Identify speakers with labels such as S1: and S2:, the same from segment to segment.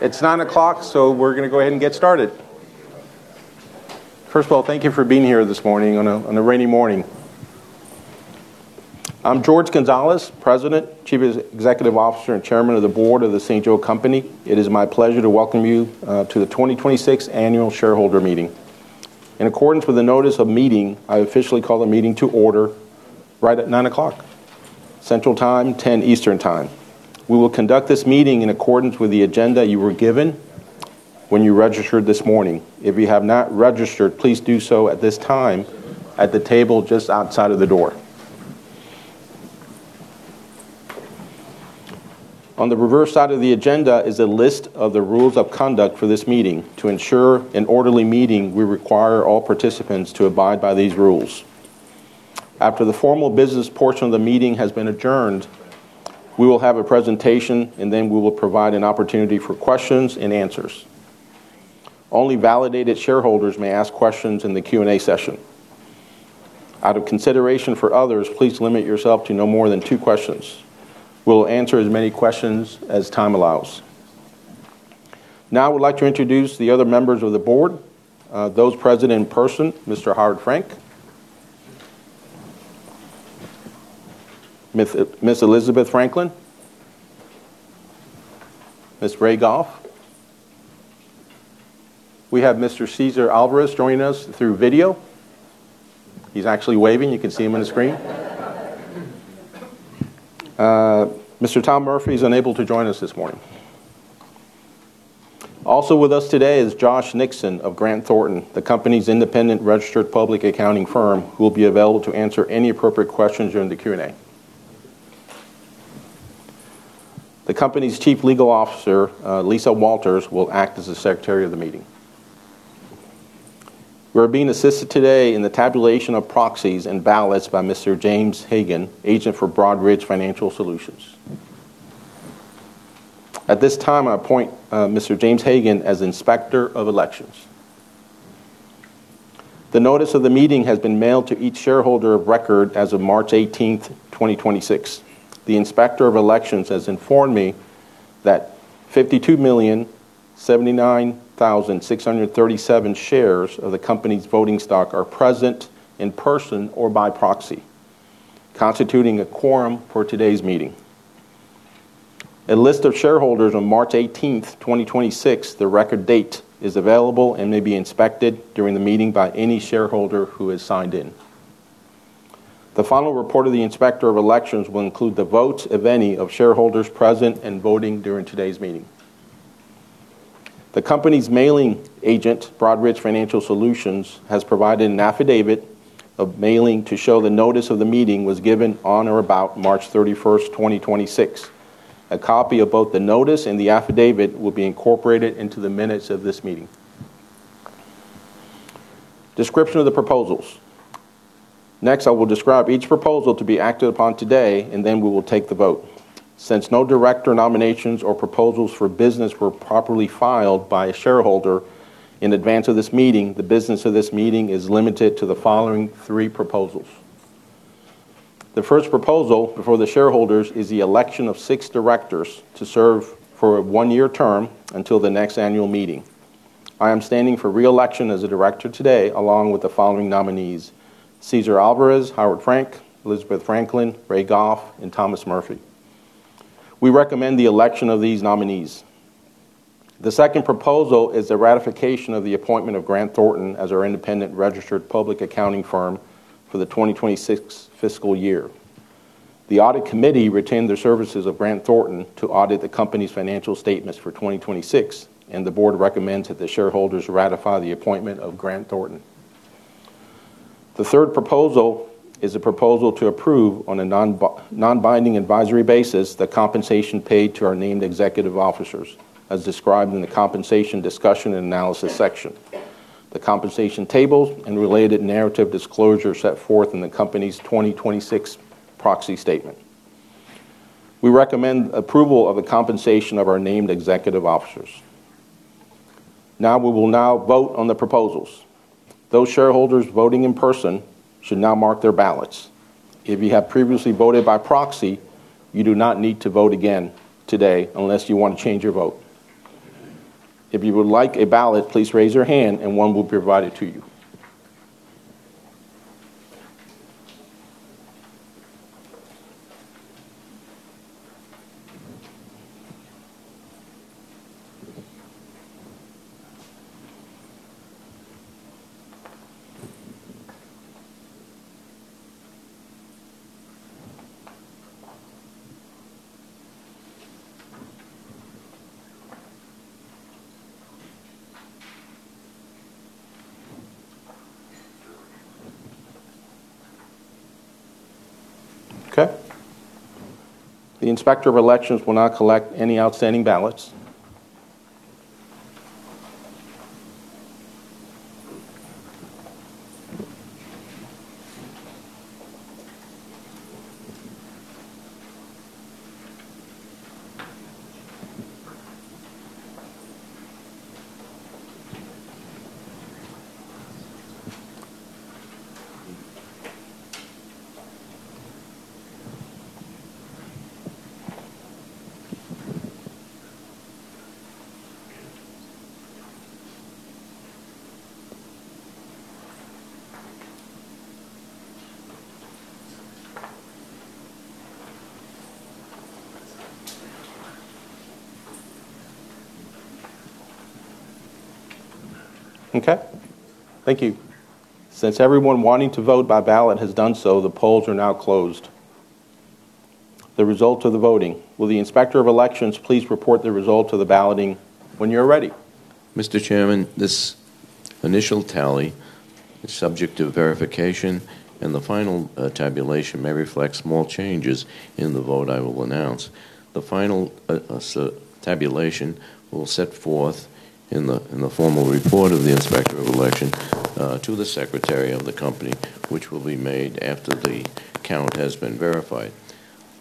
S1: It's 9:00 A.M., so we're gonna go ahead and get started. First of all, thank you for being here this morning on a rainy morning. I'm Jorge Gonzalez, President, Chief Executive Officer, and Chairman of the Board of The St. Joe Company. It is my pleasure to welcome you to the 2026 annual shareholder meeting. In accordance with the notice of meeting, I officially call the meeting to order right at 9:00 A.M. Central Time, 10:00 A.M. Eastern Time. We will conduct this meeting in accordance with the agenda you were given when you registered this morning. If you have not registered, please do so at this time at the table just outside of the door. On the reverse side of the agenda is a list of the rules of conduct for this meeting. To ensure an orderly meeting, we require all participants to abide by these rules. After the formal business portion of the meeting has been adjourned, we will have a presentation, and then we will provide an opportunity for questions and answers. Only validated shareholders may ask questions in the Q&A session. Out of consideration for others, please limit yourself to no more than two questions. We'll answer as many questions as time allows. Now I would like to introduce the other members of the board, those present in person, Mr. Howard Frank. Ms. Elizabeth Franklin. Ms. Rhea Goff. We have Mr. Cesar Alvarez joining us through video. He's actually waving. You can see him on the screen. Mr. Tom Murphy is unable to join us this morning. Also with us today is Josh Nixon of Grant Thornton, the company's independent registered public accounting firm, who will be available to answer any appropriate questions during the Q&A. The company's Chief Legal Officer, Lisa Walters, will act as the secretary of the meeting. We're being assisted today in the tabulation of proxies and ballots by Mr. James Hagan, agent for Broadridge Financial Solutions. At this time, I appoint Mr. James Hagan as Inspector of Elections. The notice of the meeting has been mailed to each shareholder of record as of March 18th, 2026. The Inspector of Elections has informed me that 52,079,637 shares of the company's voting stock are present in person or by proxy, constituting a quorum for today's meeting. A list of shareholders on March 18th, 2026, the record date, is available and may be inspected during the meeting by any shareholder who has signed in. The final report of the Inspector of Elections will include the votes, if any, of shareholders present and voting during today's meeting. The company's mailing agent, Broadridge Financial Solutions, has provided an affidavit of mailing to show the notice of the meeting was given on or about March 31st, 2026. A copy of both the notice and the affidavit will be incorporated into the minutes of this meeting. Description of the proposals. Next, I will describe each proposal to be acted upon today, and then we will take the vote. Since no director nominations or proposals for business were properly filed by a shareholder in advance of this meeting, the business of this meeting is limited to the following three proposals. The first proposal before the shareholders is the election of six directors to serve for a one-year term until the next annual meeting. I am standing for re-election as a director today, along with the following nominees, Cesar Alvarez, Howard Frank, Elizabeth Franklin, Rhea Goff, and Thomas Murphy. We recommend the election of these nominees. The second proposal is the ratification of the appointment of Grant Thornton as our independent registered public accounting firm for the 2026 fiscal year. The audit committee retained the services of Grant Thornton to audit the company's financial statements for 2026, and the board recommends that the shareholders ratify the appointment of Grant Thornton. The third proposal is a proposal to approve on a non-binding advisory basis the compensation paid to our named executive officers, as described in the compensation discussion and analysis section, the compensation table, and related narrative disclosure set forth in the company's 2026 proxy statement. We recommend approval of the compensation of our named executive officers. We will now vote on the proposals. Those shareholders voting in person should now mark their ballots. If you have previously voted by proxy, you do not need to vote again today unless you want to change your vote. If you would like a ballot, please raise your hand, and one will be provided to you. Okay. The Inspector of Elections will now collect any outstanding ballots. Okay. Thank you. Since everyone wanting to vote by ballot has done so, the polls are now closed. The result of the voting. Will the Inspector of Elections please report the result of the balloting when you're ready?
S2: Mr. Chairman, this initial tally is subject to verification, and the final tabulation may reflect small changes in the vote I will announce. The final tabulation will set forth in the formal report of the Inspector of Election to the Secretary of the Company, which will be made after the count has been verified.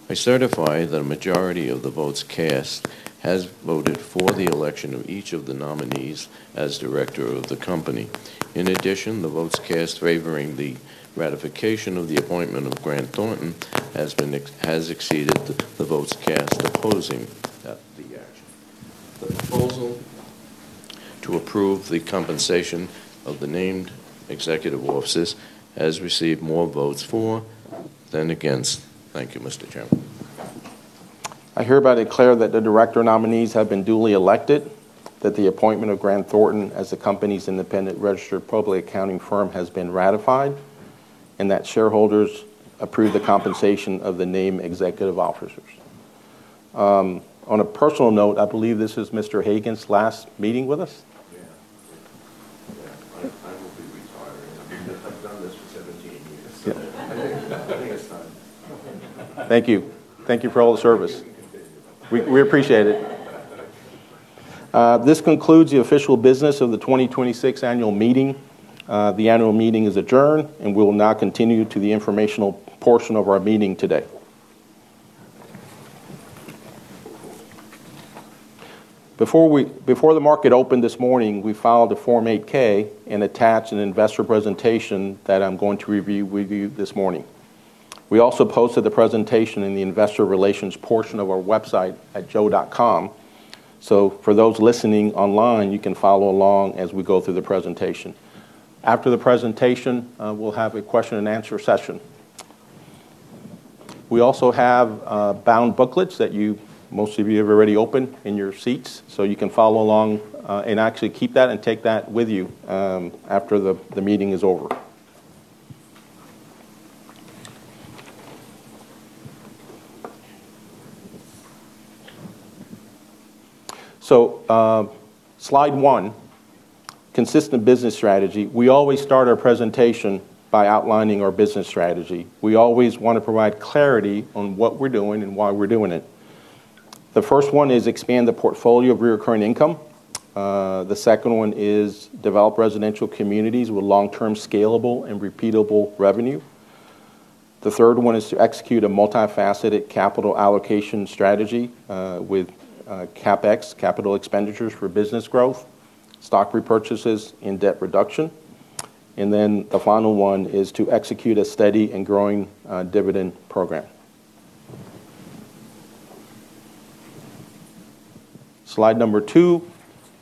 S2: I certify that a majority of the votes cast has voted for the election of each of the nominees as director of the Company. In addition, the votes cast favoring the ratification of the appointment of Grant Thornton has exceeded the votes cast opposing the action. The proposal to approve the compensation of the named executive officers has received more votes for than against. Thank you, Mr. Chairman.
S1: I hereby declare that the director nominees have been duly elected, that the appointment of Grant Thornton as the company's independent registered public accounting firm has been ratified, and that shareholders approve the compensation of the named executive officers. On a personal note, I believe this is Mr. Hagan's last meeting with us.
S2: Yeah. Yeah. I will be retiring. I've done this for 17 years.
S1: Yeah.
S2: I think it's time.
S1: Thank you. Thank you for all the service. We appreciate it. This concludes the official business of the 2026 annual meeting. The annual meeting is adjourned. We'll now continue to the informational portion of our meeting today. Before the market opened this morning, we filed a Form 8-K and attached an investor presentation that I'm going to review with you this morning. We also posted the presentation in the investor relations portion of our website at joe.com. For those listening online, you can follow along as we go through the presentation. After the presentation, we'll have a question and answer session. We also have bound booklets that most of you have already opened, in your seats, so you can follow along and actually keep that and take that with you after the meeting is over. Slide one, consistent business strategy. We always start our presentation by outlining our business strategy. We always want to provide clarity on what we're doing and why we're doing it. The first one is expand the portfolio of recurring income. The second one is develop residential communities with long-term scalable and repeatable revenue. The third one is to execute a multifaceted capital allocation strategy, with CapEx, capital expenditures for business growth, stock repurchases, and debt reduction. Then the final one is to execute a steady and growing dividend program. Slide number two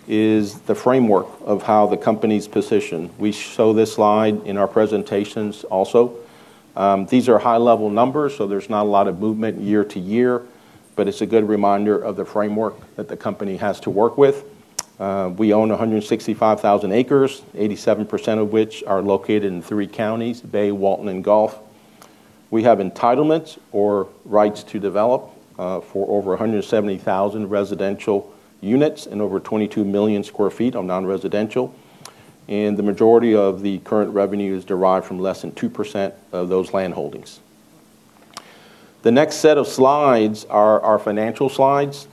S1: is the framework of how the company's positioned. We show this slide in our presentations also. These are high-level numbers, so there's not a lot of movement year to year, but it's a good reminder of the framework that the company has to work with. We own 165,000 acres, 87% of which are located in three counties: Bay, Walton, and Gulf. We have entitlements or rights to develop for over 170,000 residential units and over 22 million sq ft of non-residential. The majority of the current revenue is derived from less than 2% of those landholdings. The next set of slides are our financial slides.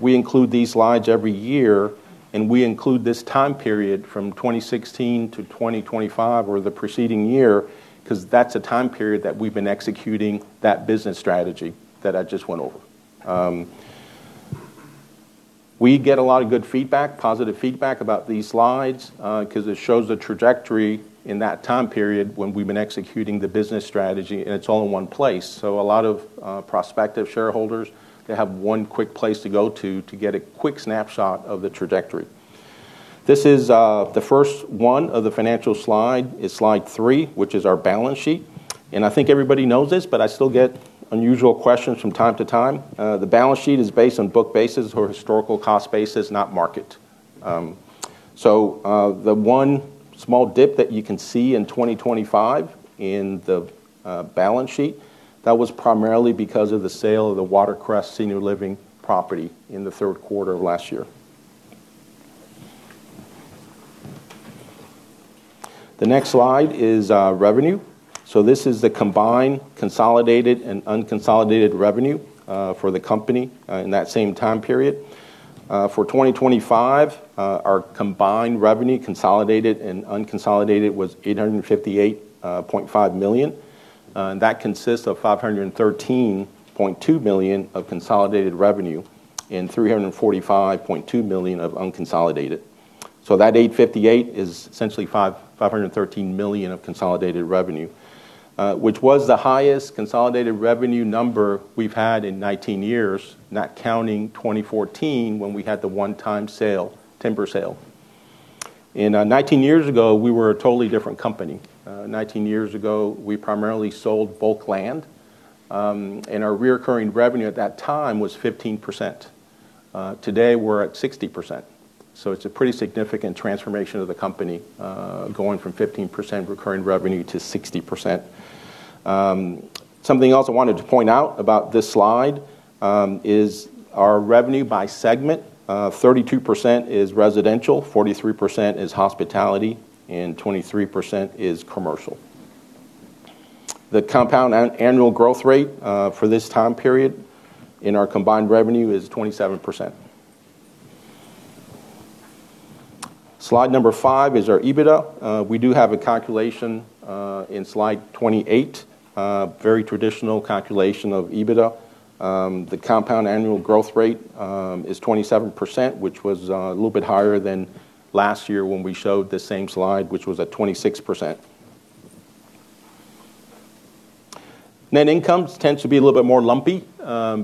S1: We include these slides every year, and we include this time period from 2016-2025 or the preceding year, 'cause that's a time period that we've been executing that business strategy that I just went over. We get a lot of good feedback, positive feedback about these slides, 'cause it shows the trajectory in that time period when we've been executing the business strategy, and it's all in one place. A lot of prospective shareholders, they have one quick place to go to to get a quick snapshot of the trajectory. This is the first one of the financial slide. It's slide three, which is our balance sheet. I think everybody knows this, but I still get unusual questions from time to time. The balance sheet is based on book basis or historical cost basis, not market. The one small dip that you can see in 2025 in the balance sheet, that was primarily because of the sale of the Watercrest Senior Living property in the third quarter of last year. The next slide is revenue. This is the combined, consolidated, and unconsolidated revenue for the company in that same time period. For 2025, our combined revenue, consolidated and unconsolidated, was $858.5 million. That consists of $513.2 million of consolidated revenue and $345.2 million of unconsolidated. That 858 is essentially $513 million of consolidated revenue, which was the highest consolidated revenue number we've had in 19 years, not counting 2014 when we had the one-time sale, timber sale. 19 years ago, we were a totally different company. 19 years ago, we primarily sold bulk land, and our reoccurring revenue at that time was 15%. Today, we're at 60%. It's a pretty significant transformation of the company, going from 15% recurring revenue to 60%. Something else I wanted to point out about this slide is our revenue by segment. 32% is residential, 43% is hospitality, and 23% is commercial. The compound annual growth rate for this time period in our combined revenue is 27%. Slide number five is our EBITDA. We do have a calculation in slide 28, very traditional calculation of EBITDA. The compound annual growth rate is 27%, which was a little bit higher than last year when we showed the same slide, which was at 26%. Net incomes tends to be a little bit more lumpy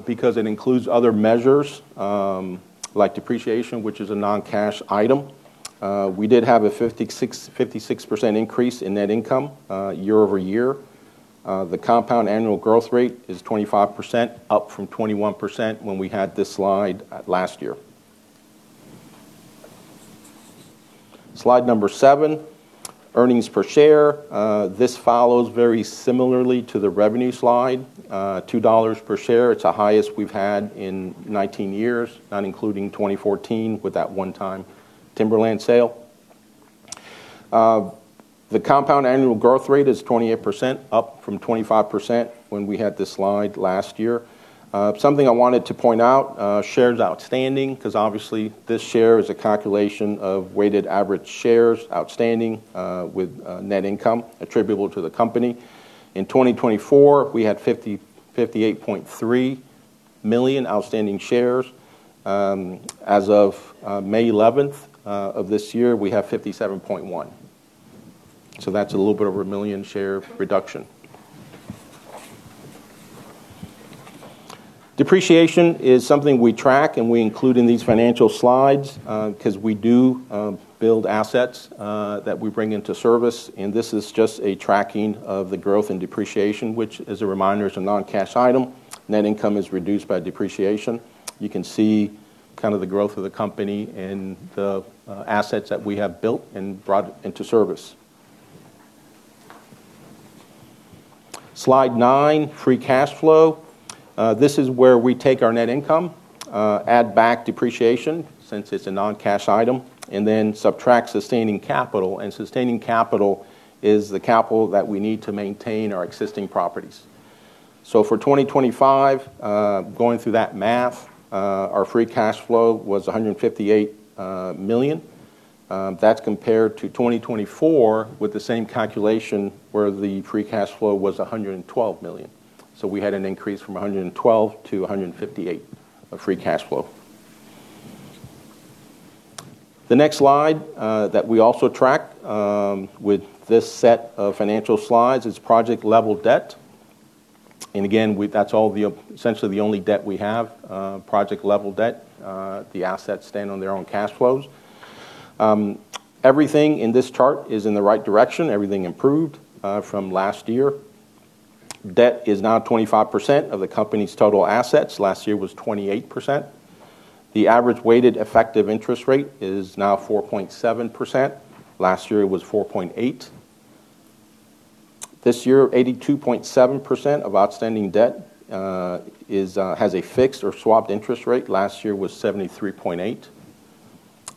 S1: because it includes other measures like depreciation, which is a non-cash item. We did have a 56% increase in net income year-over-year. The compound annual growth rate is 25%, up from 21% when we had this slide last year. Slide number seven, earnings per share. This follows very similarly to the revenue slide, $2 per share. It's the highest we've had in 19 years, not including 2014 with that one-time timberland sale. The compound annual growth rate is 28%, up from 25% when we had this slide last year. Something I wanted to point out, shares outstanding, 'cause obviously this share is a calculation of weighted average shares outstanding, with net income attributable to the company. In 2024, we had 58.3 million outstanding shares. As of May 11th, of this year, we have 57.1. That's a little bit over a million-share reduction. Depreciation is something we track, and we include in these financial slides, cause we do build assets that we bring into service, and this is just a tracking of the growth and depreciation, which, as a reminder, is a non-cash item. Net income is reduced by depreciation. You can see kind of the growth of the company and the assets that we have built and brought into service. Slide nine, free cash flow. This is where we take our net income, add back depreciation since it's a non-cash item, and then subtract sustaining capital, sustaining capital is the capital that we need to maintain our existing properties. For 2025, going through that math, our free cash flow was $158 million. That's compared to 2024 with the same calculation where the free cash flow was $112 million. We had an increase from $112 to $158 of free cash flow. The next slide that we also track with this set of financial slides is project-level debt. That's all essentially the only debt we have, project-level debt. The assets stand on their own cash flows. Everything in this chart is in the right direction. Everything improved from last year. Debt is now 25% of the company's total assets. Last year was 28%. The average weighted effective interest rate is now 4.7%. Last year it was 4.8%. This year, 82.7% of outstanding debt is has a fixed or swapped interest rate. Last year was 73.8%.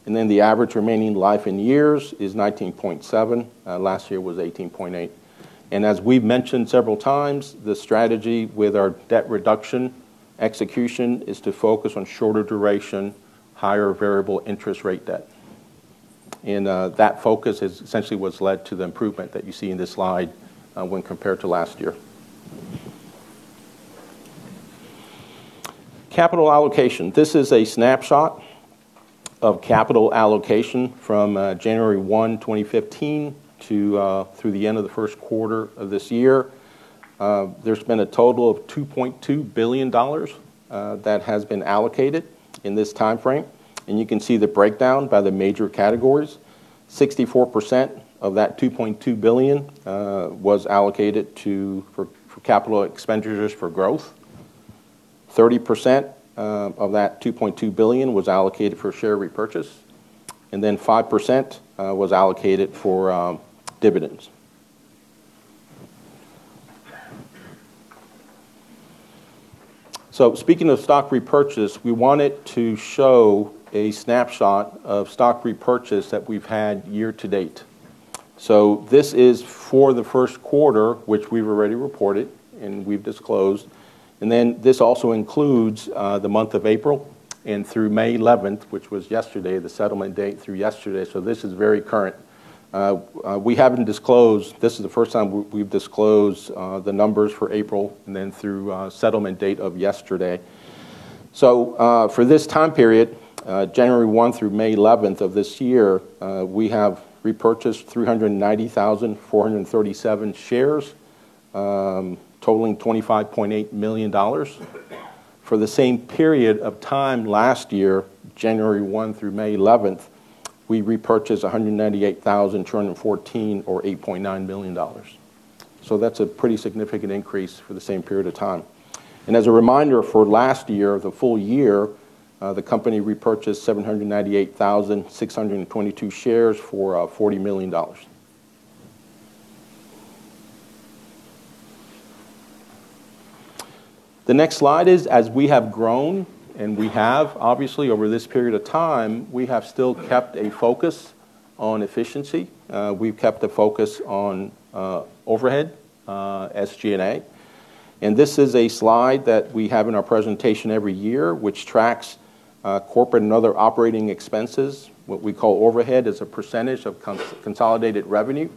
S1: The average remaining life in years is 19.7%. Last year was 18.8%. As we've mentioned several times, the strategy with our debt reduction execution is to focus on shorter duration, higher variable interest rate debt. That focus is essentially what's led to the improvement that you see in this slide when compared to last year. Capital allocation. This is a snapshot of capital allocation from January 1, 2015 to through the end of the first quarter of this year. There's been a total of $2.2 billion that has been allocated in this timeframe, and you can see the breakdown by the major categories. 64% of that $2.2 billion was allocated to for capital expenditures for growth. 30% of that $2.2 billion was allocated for share repurchase, and then 5% was allocated for dividends. Speaking of stock repurchase, we wanted to show a snapshot of stock repurchase that we've had year-to-date. This is for the first quarter, which we've already reported and we've disclosed, and then this also includes the month of April and through May 11th, which was yesterday, the settlement date through yesterday. This is very current. This is the first time we've disclosed the numbers for April and then through settlement date of yesterday. For this time period, January 1 through May 11th of this year, we have repurchased 390,437 shares, totaling $25.8 million. For the same period of time last year, January 1 through May 11th, we repurchased 198,214 or $8.9 million. That's a pretty significant increase for the same period of time. As a reminder for last year, the full year, the company repurchased 798,622 shares for $40 million. The next slide is as we have grown, and we have, obviously over this period of time, we have still kept a focus on efficiency. We've kept a focus on overhead, SG&A. This is a slide that we have in our presentation every year, which tracks corporate and other operating expenses, what we call overhead as a percentage of consolidated revenue.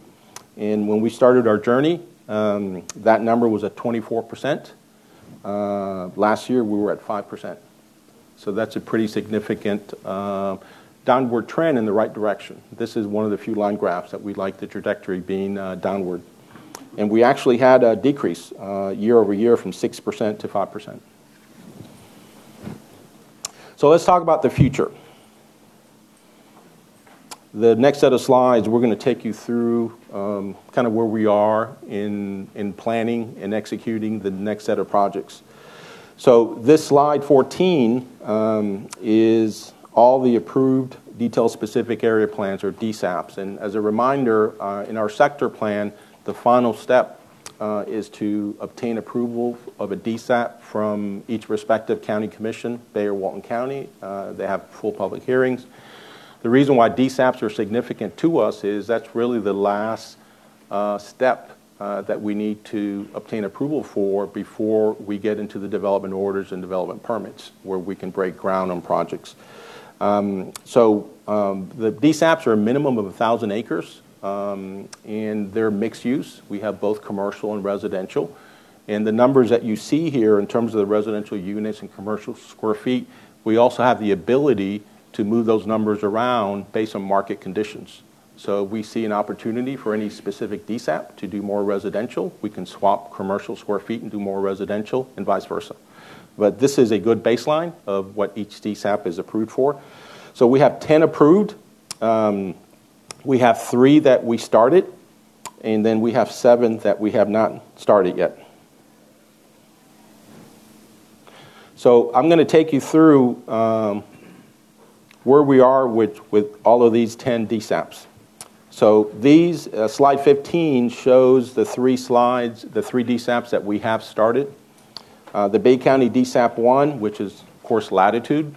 S1: When we started our journey, that number was at 24%. Last year, we were at 5%. That's a pretty significant downward trend in the right direction. This is one of the few line graphs that we like the trajectory being downward. We actually had a decrease year-over-year from 6% to 5%. Let's talk about the future. The next set of slides, we're gonna take you through kinda where we are in planning and executing the next set of projects. This slide 14 is all the approved Detailed Specific Area Plans or DSAPs. As a reminder, in our sector plan, the final step is to obtain approval of a DSAP from each respective county commission, Bay or Walton County. They have full public hearings. The reason why DSAPs are significant to us is that's really the last step that we need to obtain approval for before we get into the development orders and development permits, where we can break ground on projects. The DSAPs are a minimum of a thousand acres, and they're mixed use. We have both commercial and residential. The numbers that you see here in terms of the residential units and commercial square feet, we also have the ability to move those numbers around based on market conditions. If we see an opportunity for any specific DSAP to do more residential, we can swap commercial square feet and do more residential and vice versa. This is a good baseline of what each DSAP is approved for. We have 10 approved. We have three that we started, and then we have seven that we have not started yet. I'm gonna take you through where we are with all of these 10 DSAPs. These slide 15 shows the three slides, the three DSAPs that we have started. The Bay County DSAP one, which is, of course, Latitude.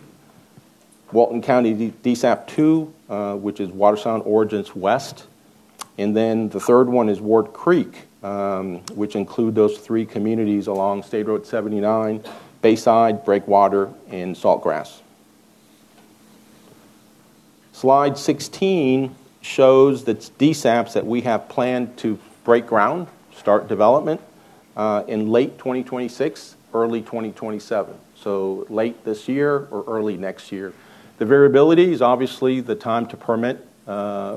S1: Walton County DSAP two, which is Watersound Origins West. The third one is Ward Creek, which include those three communities along State Road 79, Bayside, Breakwater, and Salt Grass. Slide 16 shows the DSAPs that we have planned to break ground, start development, in late 2026, early 2027. Late this year or early next year. The variability is obviously the time to permit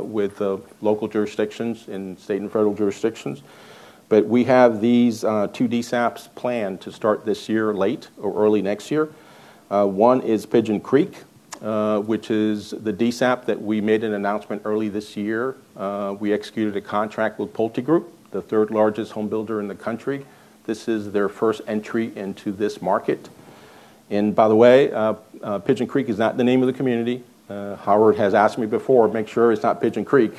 S1: with the local jurisdictions and state and federal jurisdictions. We have these two DSAPs planned to start this year late or early next year. One is Pigeon Creek, which is the DSAP that we made an announcement early this year. We executed a contract with PulteGroup, the third-largest home builder in the country. This is their first entry into this market. By the way, Pigeon Creek is not the name of the community. Howard has asked me before, make sure it's not Pigeon Creek.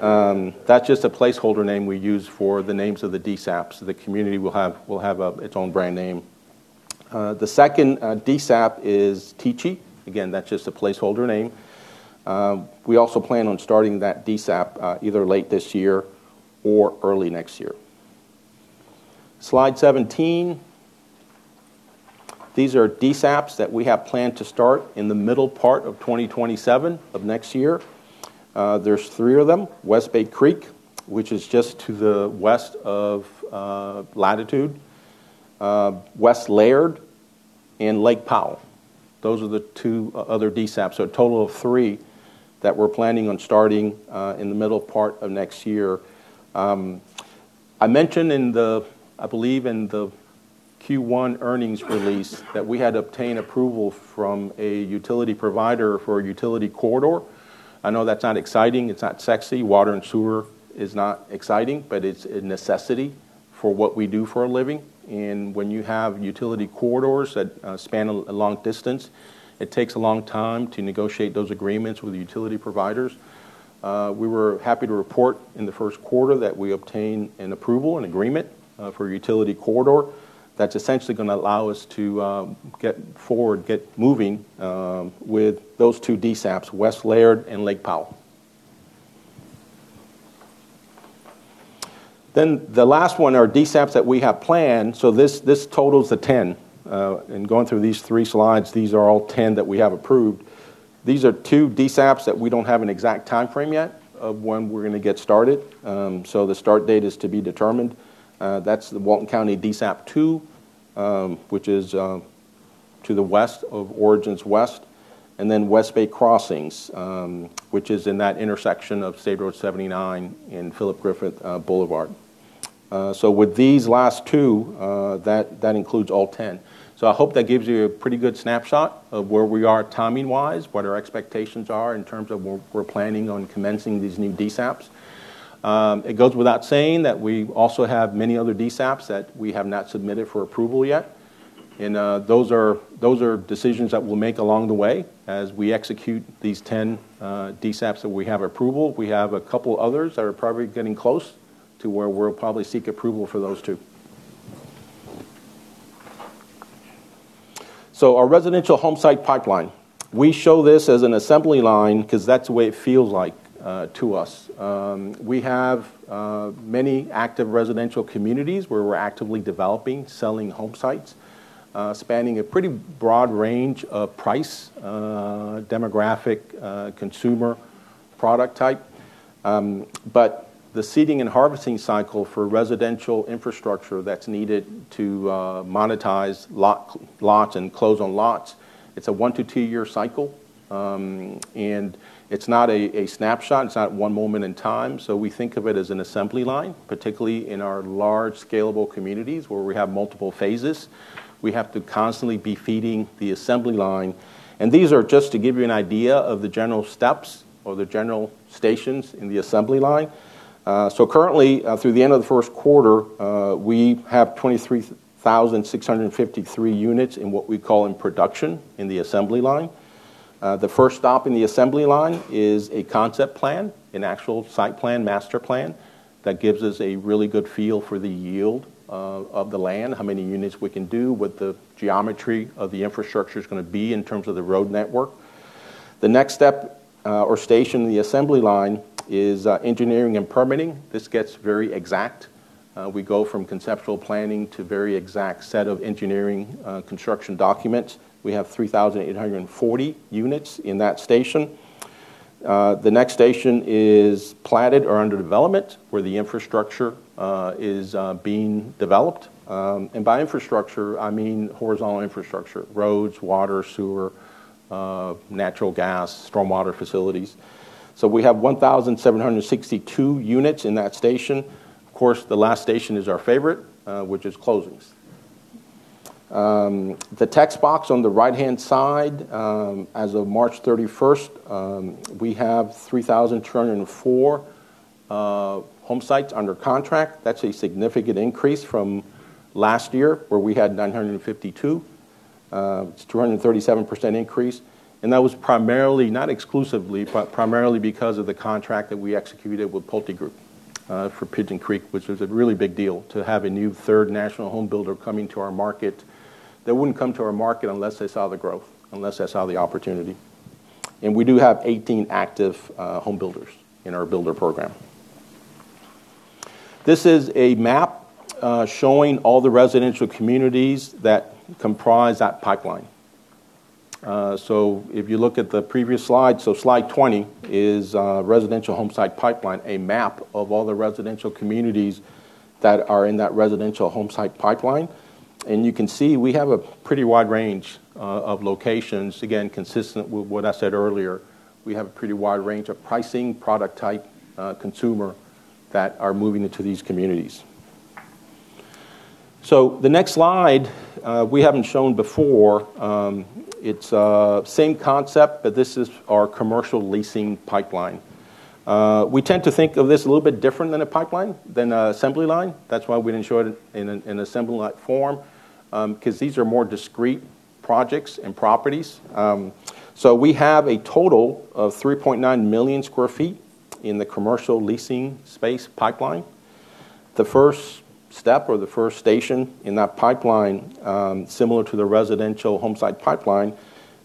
S1: That's just a placeholder name we use for the names of the DSAPs. The community will have its own brand name. The second DSAP is Teechi. Again, that's just a placeholder name. We also plan on starting that DSAP either late this year or early next year. Slide 17. These are DSAPs that we have planned to start in the middle part of 2027 of next year. There's three of them, West Bay Creek, which is just to the west of Latitude, West Laird and Lake Powell. Those are the two other DSAPs, so a total of three that we're planning on starting in the middle part of next year. I mentioned in the, I believe in the Q1 earnings release that we had obtained approval from a utility provider for a utility corridor. I know that's not exciting. It's not sexy. Water and sewer is not exciting, but it's a necessity for what we do for a living. When you have utility corridors that span a long distance, it takes a long time to negotiate those agreements with utility providers. We were happy to report in the first quarter that we obtained an approval, an agreement for a utility corridor that's essentially gonna allow us to get forward, get moving with those two DSAPs, West Laird and Lake Powell. The last one are DSAPs that we have planned. This totals the 10. In going through these three slides, these are all 10 that we have approved. These are two DSAPs that we don't have an exact timeframe yet of when we're gonna get started. So the start date is to be determined. That's the Walton County DSAP two, which is to the west of Origins West, and then West Bay Crossings, which is in that intersection of State Road 79 and Philip Griffitts Sr. Parkway. With these last two, that includes all 10. I hope that gives you a pretty good snapshot of where we are timing-wise, what our expectations are in terms of where we're planning on commencing these new DSAPs. It goes without saying that we also have many other DSAPs that we have not submitted for approval yet, and those are decisions that we'll make along the way as we execute these 10 DSAPs that we have approval. We have a couple others that are probably getting close to where we'll probably seek approval for those too. Our residential homesite pipeline. We show this as an assembly line 'cause that's the way it feels like to us. We have many active residential communities where we're actively developing, selling homesites, spanning a pretty broad range of price, demographic, consumer product type. The seeding and harvesting cycle for residential infrastructure that's needed to monetize lots and close on lots, it's a one to two-year cycle. It's not a snapshot. It's not one moment in time, so we think of it as an assembly line, particularly in our large scalable communities where we have multiple phases. We have to constantly be feeding the assembly line, and these are just to give you an idea of the general steps or the general stations in the assembly line. Currently, through the end of the first quarter, we have 23,653 units in what we call in production in the assembly line. The first stop in the assembly line is a concept plan, an actual site plan, master plan that gives us a really good feel for the yield of the land, how many units we can do, what the geometry of the infrastructure's gonna be in terms of the road network. The next step or station in the assembly line is engineering and permitting. This gets very exact. We go from conceptual planning to very exact set of engineering, construction documents. We have 3,840 units in that station. The next station is platted or under development, where the infrastructure is being developed. By infrastructure, I mean horizontal infrastructure, roads, water, sewer, natural gas, stormwater facilities. We have 1,762 units in that station. Of course, the last station is our favorite, which is closings. The text box on the right-hand side, as of March 31st, we have 3,204 homesites under contract. That's a significant increase from last year, where we had 952. It's a 237% increase, and that was primarily, not exclusively, but primarily because of the contract that we executed with PulteGroup for Pigeon Creek, which was a really big deal to have a new third national home builder coming to our market. They wouldn't come to our market unless they saw the growth, unless they saw the opportunity. We do have 18 active home builders in our builder program. This is a map showing all the residential communities that comprise that pipeline. If you look at the previous slide 20 is a residential homesite pipeline, a map of all the residential communities that are in that residential homesite pipeline. You can see we have a pretty wide range of locations, again, consistent with what I said earlier. We have a pretty wide range of pricing, product type, consumer that are moving into these communities. The next slide we haven't shown before. It's same concept, but this is our commercial leasing pipeline. We tend to think of this a little bit different than a pipeline, than a assembly line. That's why we didn't show it in assembly line form, 'cause these are more discrete projects and properties. We have a total of 3.9 million sq ft in the commercial leasing space pipeline. The first step or the first station in that pipeline, similar to the residential homesite pipeline,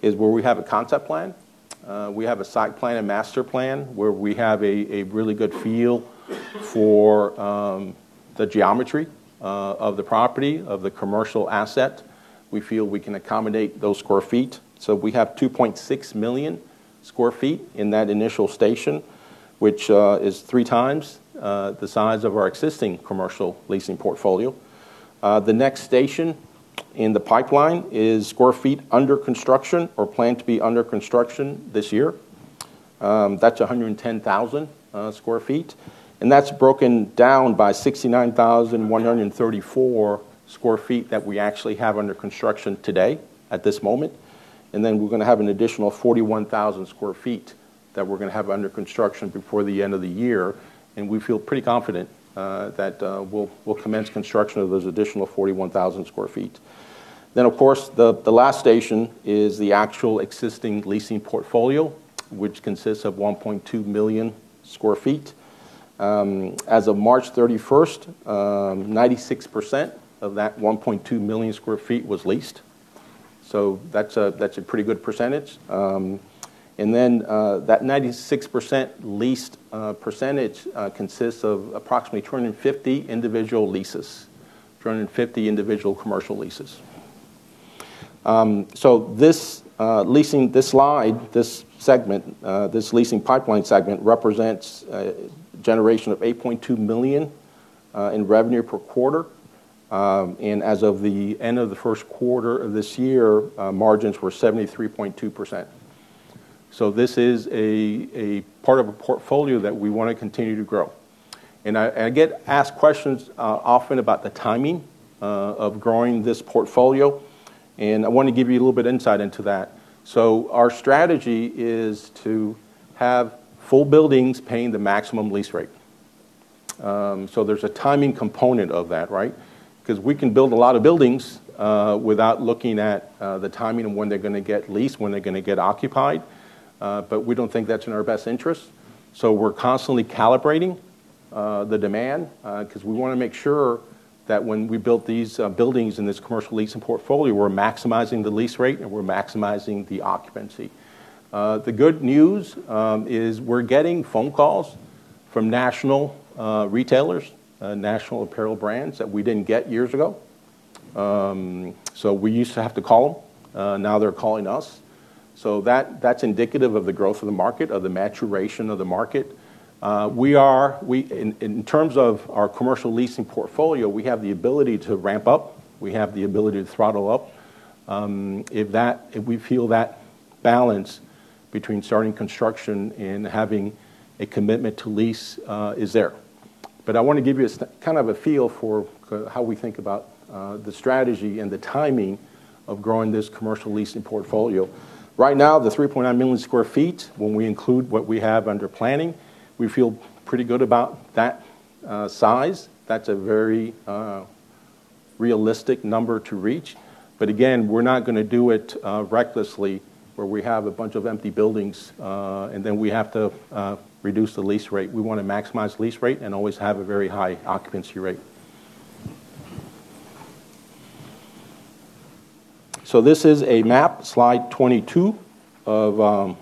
S1: is where we have a concept plan. We have a site plan, a master plan, where we have a really good feel for the geometry of the property, of the commercial asset. We feel we can accommodate those sq ft. We have 2.6 million sq ft in that initial station, which is 3x the size of our existing commercial leasing portfolio. The next station in the pipeline is sq ft under construction or planned to be under construction this year. That's 110,000 sq ft, and that's broken down by 69,134 sq ft that we actually have under construction today at this moment. We're gonna have an additional 41,000 sq ft that we're gonna have under construction before the end of the year, and we feel pretty confident that we'll commence construction of those additional 41,000 sq ft. Of course, the last station is the actual existing leasing portfolio, which consists of 1.2 million sq ft. As of March 31st, 96% of that 1.2 million sq ft was leased. That's a pretty good percentage. That 96% leased percentage consists of approximately 250 individual leases. 350 individual commercial leases. This leasing, this slide, this segment, this leasing pipeline segment represents a generation of $8.2 million in revenue per quarter. As of the end of the first quarter of this year, margins were 73.2%. This is a part of a portfolio that we wanna continue to grow. I get asked questions often about the timing of growing this portfolio, and I wanna give you a little bit insight into that. Our strategy is to have full buildings paying the maximum lease rate. There's a timing component of that, right? 'Cause we can build a lot of buildings without looking at the timing of when they're gonna get leased, when they're gonna get occupied, but we don't think that's in our best interest. We're constantly calibrating the demand 'cause we wanna make sure that when we build these buildings in this commercial leasing portfolio, we're maximizing the lease rate, and we're maximizing the occupancy. The good news is we're getting phone calls from national retailers, national apparel brands that we didn't get years ago. We used to have to call them. Now they're calling us. That's indicative of the growth of the market, of the maturation of the market. In terms of our commercial leasing portfolio, we have the ability to ramp up. We have the ability to throttle up if that, if we feel that balance between starting construction and having a commitment to lease is there. I want to give you a kind of a feel for how we think about the strategy and the timing of growing this commercial leasing portfolio. Right now, the 3.9 million sq ft, when we include what we have under planning, we feel pretty good about that size. That's a very realistic number to reach. Again, we're not going to do it recklessly, where we have a bunch of empty buildings, and then we have to reduce the lease rate. We want to maximize lease rate and always have a very high occupancy rate. This is a map, slide 22, of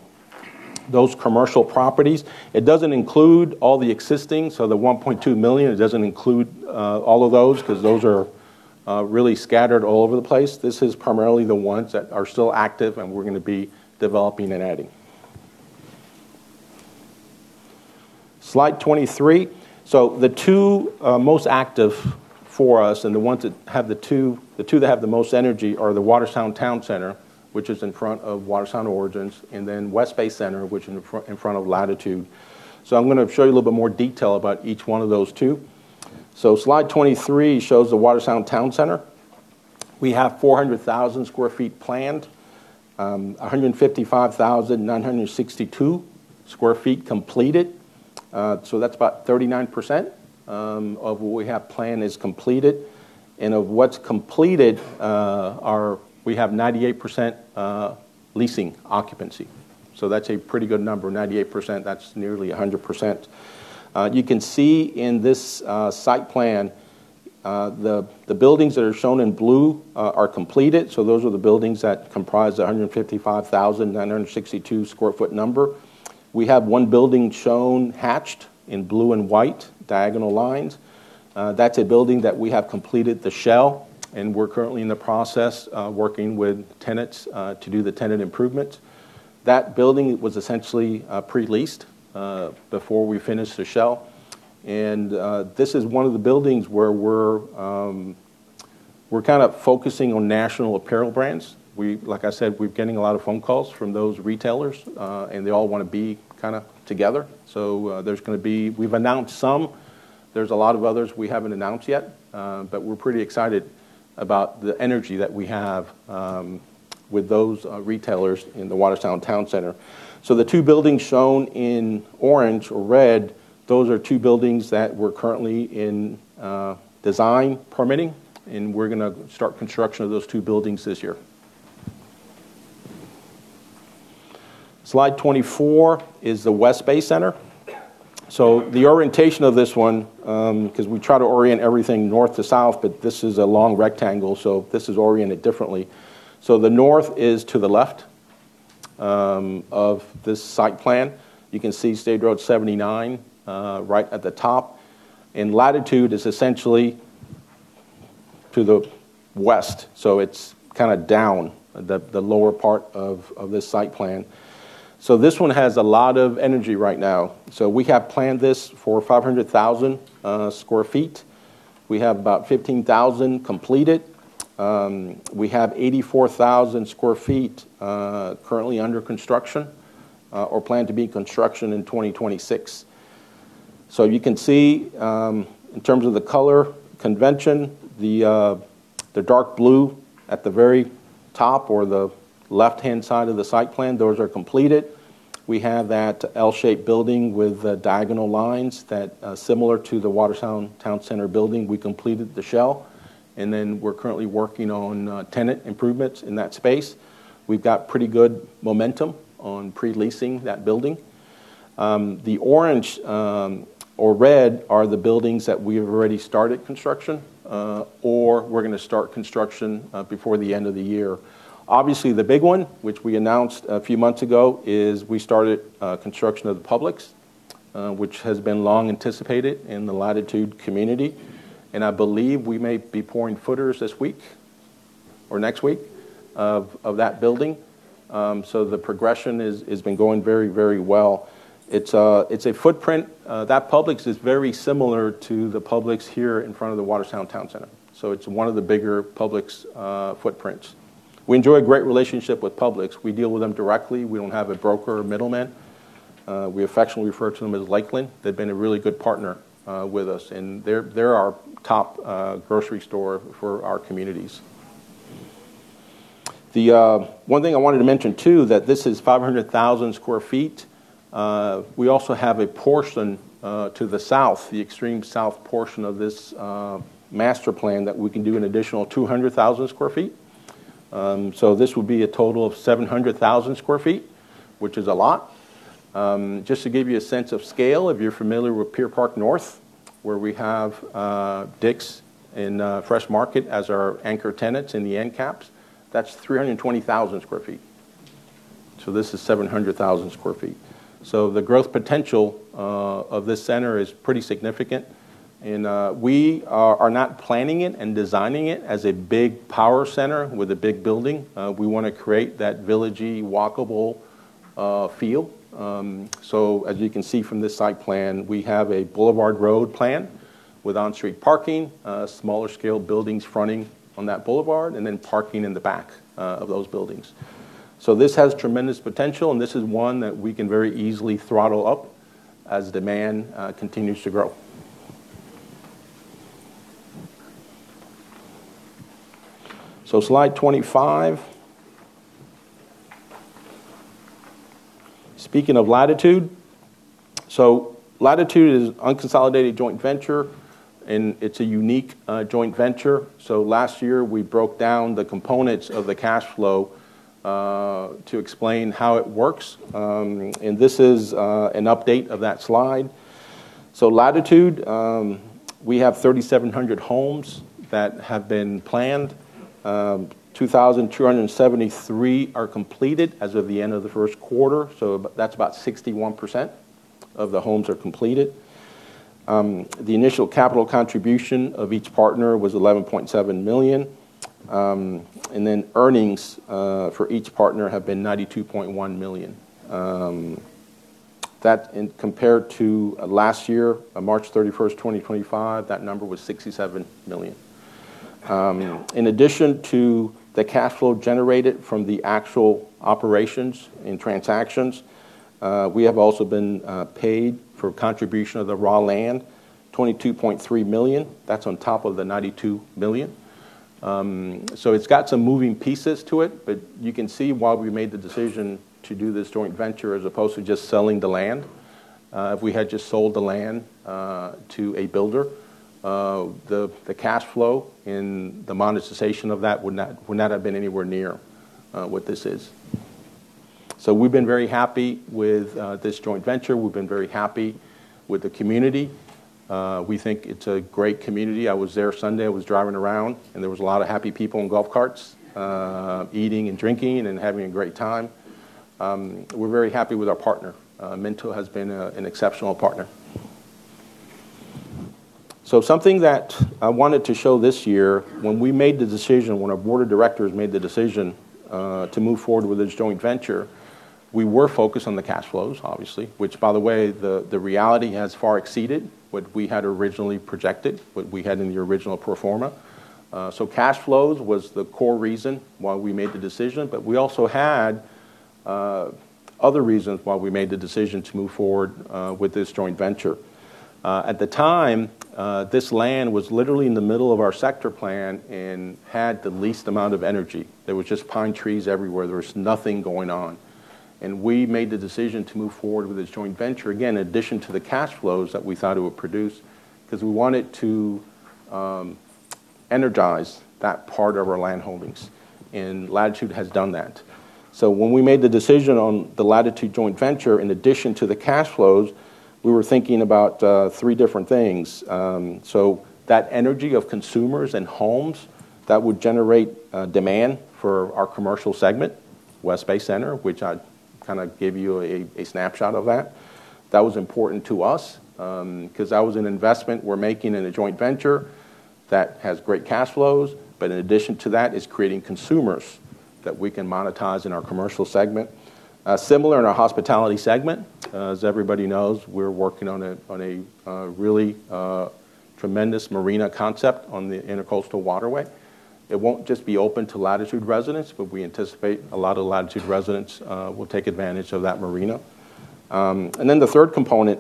S1: those commercial properties. It doesn't include all the existing, so the 1.2 million, it doesn't include all of those because those are really scattered all over the place. This is primarily the ones that are still active, and we're gonna be developing and adding. Slide 23. The two most active for us, and the ones that have the two that have the most energy are the Watersound Town Center, which is in front of Watersound Origins, West Bay Center, which in front of Latitude. I'm gonna show you a little bit more detail about each one of those two. Slide 23 shows the Watersound Town Center. We have 400,000 sq ft planned, 155,962 sq ft completed. That's about 39% of what we have planned is completed. Of what's completed, we have 98% leasing occupancy. That's a pretty good number. 98%, that's nearly 100%. You can see in this site plan, the buildings that are shown in blue are completed. Those are the buildings that comprise the 155,962 sq ft number. We have one building shown hatched in blue and white diagonal lines. That's a building that we have completed the shell. We're currently in the process of working with tenants to do the tenant improvements. That building was essentially pre-leased before we finished the shell. This is one of the buildings where we're kind of focusing on national apparel brands. Like I said, we're getting a lot of phone calls from those retailers. They all want to be kind of together. We've announced some. There's a lot of others we haven't announced yet, but we're pretty excited about the energy that we have with those retailers in the Watersound Town Center. The two buildings shown in orange or red, those are two buildings that we're currently in design permitting, and we're gonna start construction of those two buildings this year. Slide 24 is the West Bay Center. The orientation of this one, 'cause we try to orient everything north to south, but this is a long rectangle, this is oriented differently. The north is to the left of this site plan. You can see State Road 79 right at the top. Latitude is essentially to the west, it's kinda down the lower part of this site plan. This one has a lot of energy right now. We have planned this for 500,000 sq ft. We have about 15,000 completed. We have 84,000 sq ft currently under construction or planned to be in construction in 2026. You can see, in terms of the color convention, the dark blue at the very top or the left-hand side of the site plan, those are completed. We have that L-shaped building with the diagonal lines that, similar to the Watersound Town Center building, we completed the shell. We're currently working on tenant improvements in that space. We've got pretty good momentum on pre-leasing that building. The orange or red are the buildings that we've already started construction or we're gonna start construction before the end of the year. The big one, which we announced a few months ago, is we started construction of the Publix. Which has been long anticipated in the Latitude community. I believe we may be pouring footers this week or next week of that building. The progression has been going very, very well. It's a footprint. That Publix is very similar to the Publix here in front of the Watersound Town Center. It's one of the bigger Publix footprints. We enjoy a great relationship with Publix. We deal with them directly. We don't have a broker or middleman. We affectionately refer to them as Lakeland. They've been a really good partner with us, they're our top grocery store for our communities. One thing I wanted to mention too, that this is 500,000 sq ft. We also have a portion to the south, the extreme south portion of this master plan that we can do an additional 200,000 sq ft. This would be a total of 700,000 sq ft, which is a lot. Just to give you a sense of scale, if you're familiar with Pier Park North, where we have Dick's and The Fresh Market as our anchor tenants in the end caps, that's 320,000 sq ft. This is 700,000 sq ft. The growth potential of this center is pretty significant. We are not planning it and designing it as a big power center with a big building. We wanna create that villagey, walkable feel. As you can see from this site plan, we have a boulevard road plan with on-street parking, smaller scale buildings fronting on that boulevard, and then parking in the back of those buildings. This has tremendous potential, and this is one that we can very easily throttle up as demand continues to grow. Slide 25. Speaking of Latitude is unconsolidated joint venture, and it's a unique joint venture. Last year, we broke down the components of the cash flow to explain how it works. This is an update of that slide. Latitude, we have 3,700 homes that have been planned, 2,273 are completed as of the end of the first quarter, so that's about 61% of the homes are completed. The initial capital contribution of each partner was $11.7 million. Earnings for each partner have been $92.1 million. Compared to last year, March 31st, 2025, that number was $67 million. In addition to the cash flow generated from the actual operations and transactions, we have also been paid for contribution of the raw land, $22.3 million. That's on top of the $92 million. It's got some moving pieces to it, but you can see why we made the decision to do this joint venture as opposed to just selling the land. If we had just sold the land to a builder, the cash flow and the monetization of that would not have been anywhere near what this is. We've been very happy with this joint venture. We've been very happy with the community. We think it's a great community. I was there Sunday. I was driving around, and there was a lot of happy people in golf carts, eating and drinking and having a great time. We're very happy with our partner. Minto has been an exceptional partner. Something that I wanted to show this year, when we made the decision, when our board of directors made the decision, to move forward with this joint venture, we were focused on the cash flows, obviously, which by the way, the reality has far exceeded what we had originally projected, what we had in the original pro forma. Cash flows was the core reason why we made the decision, but we also had, other reasons why we made the decision to move forward, with this joint venture. At the time, this land was literally in the middle of our sector plan and had the least amount of energy. There was just pine trees everywhere. There was nothing going on. We made the decision to move forward with this joint venture, again, in addition to the cash flows that we thought it would produce, 'cause we wanted to energize that part of our land holdings, and Latitude has done that. When we made the decision on the Latitude joint venture, in addition to the cash flows, we were thinking about three different things. That energy of consumers and homes, that would generate demand for our commercial segment, West Bay Center, which I kinda gave you a snapshot of that. That was important to us, 'cause that was an investment we're making in a joint venture that has great cash flows, but in addition to that, it's creating consumers that we can monetize in our commercial segment. Similar in our hospitality segment. As everybody knows, we're working on a, on a, really, tremendous marina concept on the Intracoastal Waterway. It won't just be open to Latitude residents, but we anticipate a lot of Latitude residents will take advantage of that marina. The third component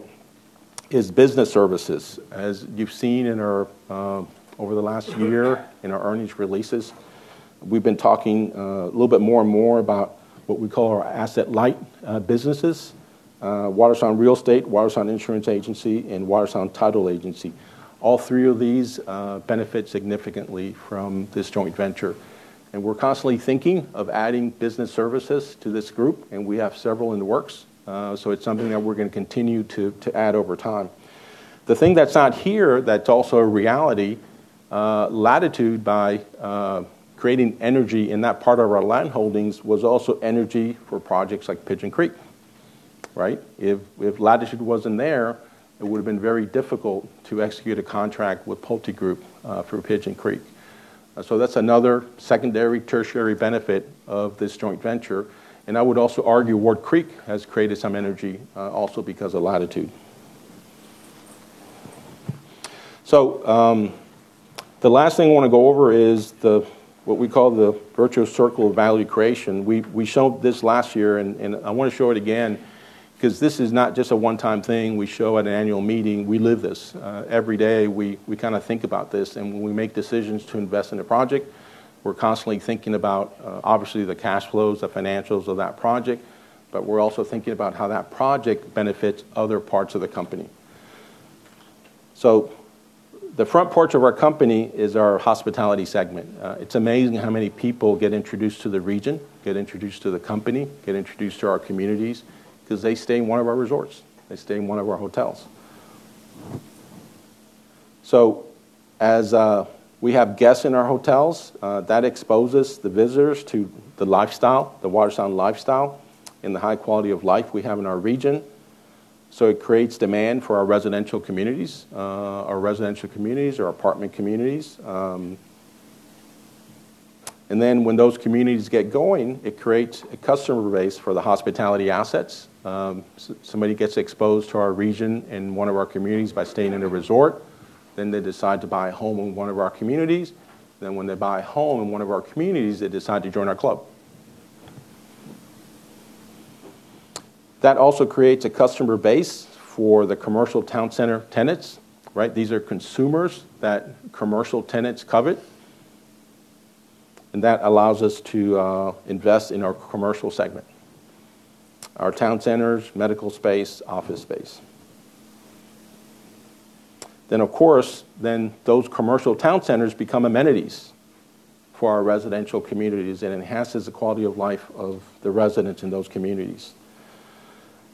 S1: is business services. As you've seen in our, over the last year in our earnings releases, we've been talking a little bit more and more about what we call our asset-light businesses, Watersound Real Estate, Watersound Insurance Agency, and Watersound Title Agency. All three of these benefit significantly from this joint venture. We're constantly thinking of adding business services to this group, and we have several in the works. it's something that we're going to continue to add over time. The thing that's not here that's also a reality, Latitude by creating energy in that part of our land holdings was also energy for projects like Pigeon Creek, right? If Latitude wasn't there, it would've been very difficult to execute a contract with PulteGroup for Pigeon Creek. that's another secondary, tertiary benefit of this joint venture, and I would also argue Ward Creek has created some energy also because of Latitude. The last thing I want to go over is what we call the virtuous circle of value creation. We showed this last year and I want to show it again because this is not just a one-time thing we show at an annual meeting. We live this. Every day, we kinda think about this. When we make decisions to invest in a project, we're constantly thinking about obviously the cash flows, the financials of that project, but we're also thinking about how that project benefits other parts of the company. So, the front porch of our company is our hospitality segment. It's amazing how many people get introduced to the region, get introduced to the company, get introduced to our communities 'cause they stay in one of our resorts. They stay in one of our hotels. As we have guests in our hotels, that exposes the visitors to the lifestyle, the Watersound lifestyle and the high quality of life we have in our region. It creates demand for our residential communities, our apartment communities. Then when those communities get going, it creates a customer base for the hospitality assets. Somebody gets exposed to our region in one of our communities by staying in a resort, then they decide to buy a home in one of our communities. Then when they buy a home in one of our communities, they decide to join our club. That also creates a customer base for the commercial town center tenants. These are consumers that commercial tenants covet, and that allows us to invest in our commercial segment, our town centers, medical space, office space. Then those commercial town centers become amenities for our residential communities. It enhances the quality of life of the residents in those communities.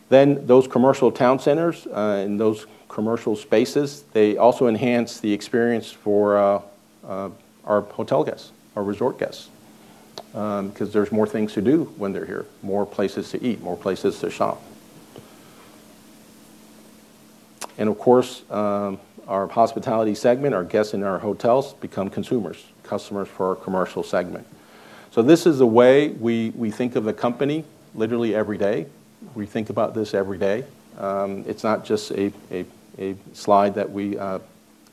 S1: Those commercial town centers, and those commercial spaces, they also enhance the experience for our hotel guests, our resort guests, 'cause there's more things to do when they're here, more places to eat, more places to shop. Of course, our hospitality segment, our guests in our hotels become consumers, customers for our commercial segment. This is the way we think of the company literally every day. We think about this every day. It's not just a slide that we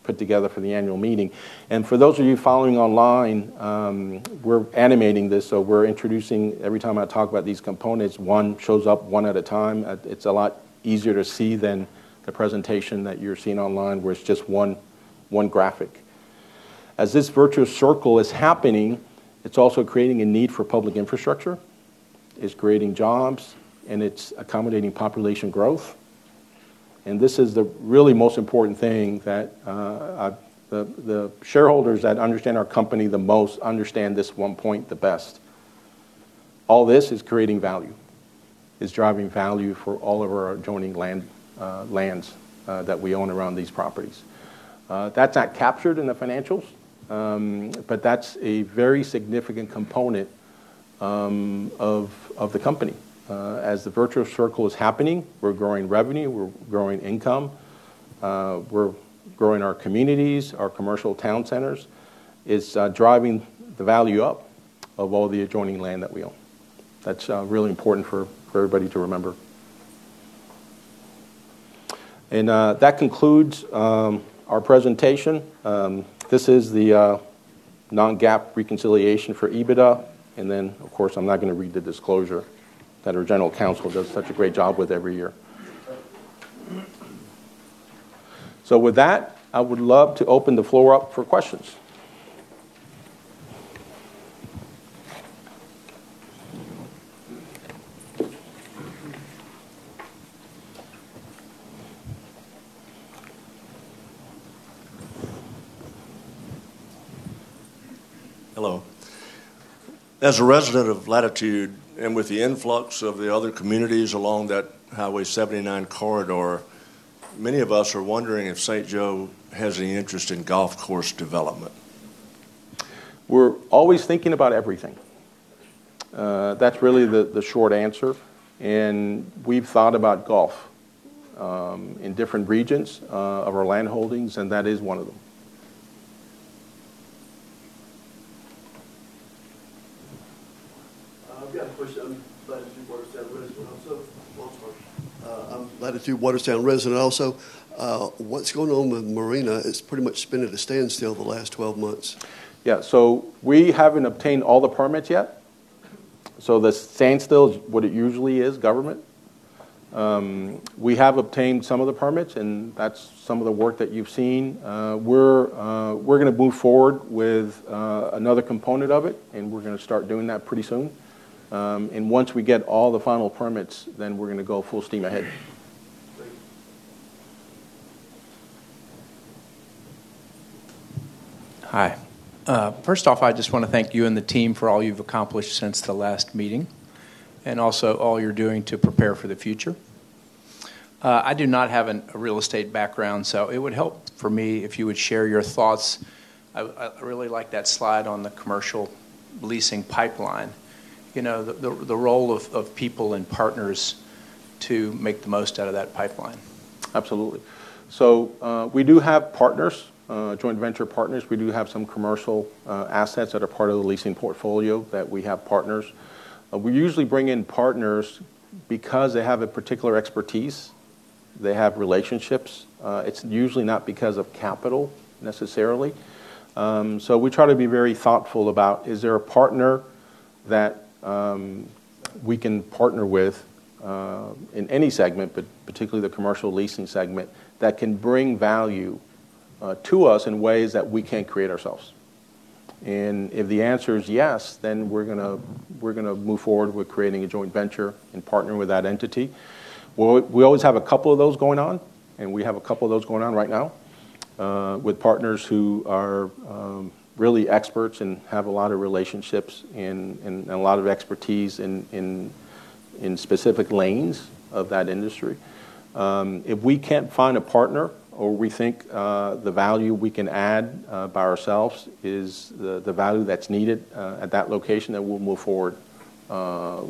S1: put together for the annual meeting. For those of you following online, we're animating this, so we're introducing every time I talk about these components, one shows up one at a time. It's a lot easier to see than the presentation that you're seeing online, where it's just one graphic. As this virtuous circle is happening, it's also creating a need for public infrastructure. It's creating jobs, and it's accommodating population growth. This is the really most important thing that the shareholders that understand our company the most understand this one point the best. All this is creating value. It's driving value for all of our adjoining land, lands that we own around these properties. That's not captured in the financials, but that's a very significant component of the company. As the virtuous circle is happening, we're growing revenue. We're growing income. We're growing our communities, our commercial town centers. It's driving the value up of all the adjoining land that we own. That's really important for everybody to remember. That concludes our presentation. This is the non-GAAP reconciliation for EBITDA, and then of course, I'm not gonna read the disclosure that our general counsel does such a great job with every year. With that, I would love to open the floor up for questions.
S3: Hello. As a resident of Latitude and with the influx of the other communities along that Highway 79 corridor, many of us are wondering if St. Joe has any interest in golf course development.
S1: We're always thinking about everything. That's really the short answer, and we've thought about golf in different regions of our land holdings, and that is one of them.
S4: I've got a question. I'm a Latitude Watersound resident also. Well, I'm sorry. I'm a Latitude Watersound resident also. What's going on with the marina? It's pretty much been at a standstill the last 12 months.
S1: We haven't obtained all the permits yet, so the standstill is what it usually is, government. We have obtained some of the permits, and that's some of the work that you've seen. We're gonna move forward with another component of it, and we're gonna start doing that pretty soon. Once we get all the final permits, then we're gonna go full steam ahead.
S5: Hi. First off, I just want to thank you and the team for all you've accomplished since the last meeting, and also all you're doing to prepare for the future. I do not have a real estate background, so it would help for me if you would share your thoughts. I really like that slide on the commercial leasing pipeline. You know, the role of people and partners to make the most out of that pipeline.
S1: Absolutely. We do have partners, joint venture partners. We do have some commercial assets that are part of the leasing portfolio that we have partners. We usually bring in partners because they have a particular expertise, they have relationships. It's usually not because of capital necessarily. We try to be very thoughtful about is there a partner that we can partner with in any segment, but particularly the commercial leasing segment, that can bring value to us in ways that we can't create ourselves. If the answer is yes, then we're gonna move forward with creating a joint venture and partner with that entity. Well, we always have a couple of those going on, and we have a couple of those going on right now, with partners who are really experts and have a lot of relationships and a lot of expertise in specific lanes of that industry. If we can't find a partner or we think the value we can add by ourselves is the value that's needed at that location, then we'll move forward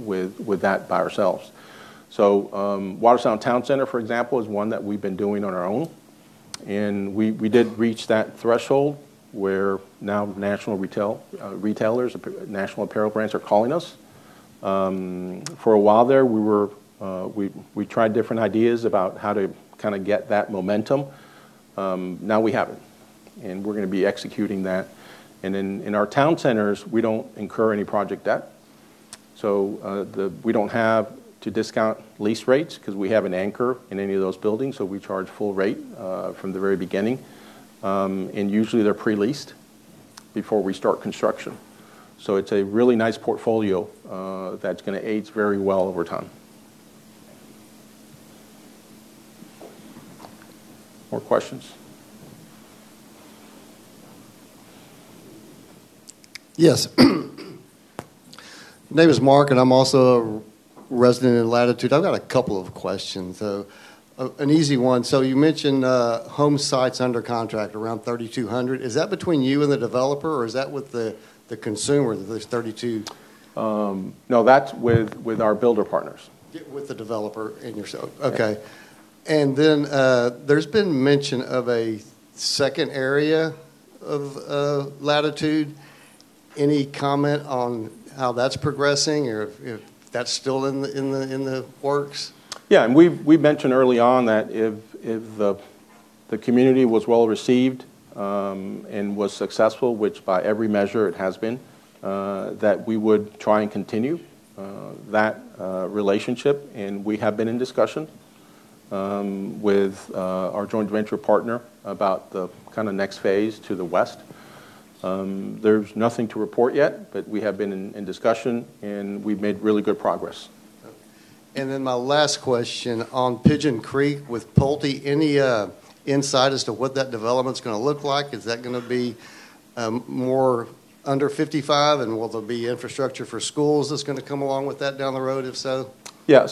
S1: with that by ourselves. Watersound Town Center, for example, is one that we've been doing on our own, and we did reach that threshold where now national retail, retailers, national apparel brands are calling us. For a while there we tried different ideas about how to kinda get that momentum. Now we have it, and we're gonna be executing that. In our town centers, we don't incur any project debt, so we don't have to discount lease rates 'cause we have an anchor in any of those buildings, so we charge full rate from the very beginning. Usually they're pre-leased before we start construction. It's a really nice portfolio that's gonna age very well over time. More questions?
S6: Yes. Name is Mark, and I'm also a resident in Latitude. I've got a couple of questions. An easy one. You mentioned home sites under contract, around 3,200. Is that between you and the developer or is that with the consumer, there's 32?
S1: No, that's with our builder partners.
S6: With the developer and yourself.
S1: Yeah.
S6: Then, there's been mention of a second area of Latitude. Any comment on how that's progressing or if that's still in the works?
S1: Yeah, we've, we mentioned early on that if the community was well-received and was successful, which by every measure it has been, that we would try and continue that relationship. We have been in discussion with our joint venture partner about the kind of next phase to the west. There's nothing to report yet, we have been in discussion and we've made really good progress.
S6: Okay. My last question, on Pigeon Creek with Pulte, any insight as to what that development's gonna look like? Is that gonna be more under 55, and will there be infrastructure for schools that's gonna come along with that down the road if so?
S1: Yeah.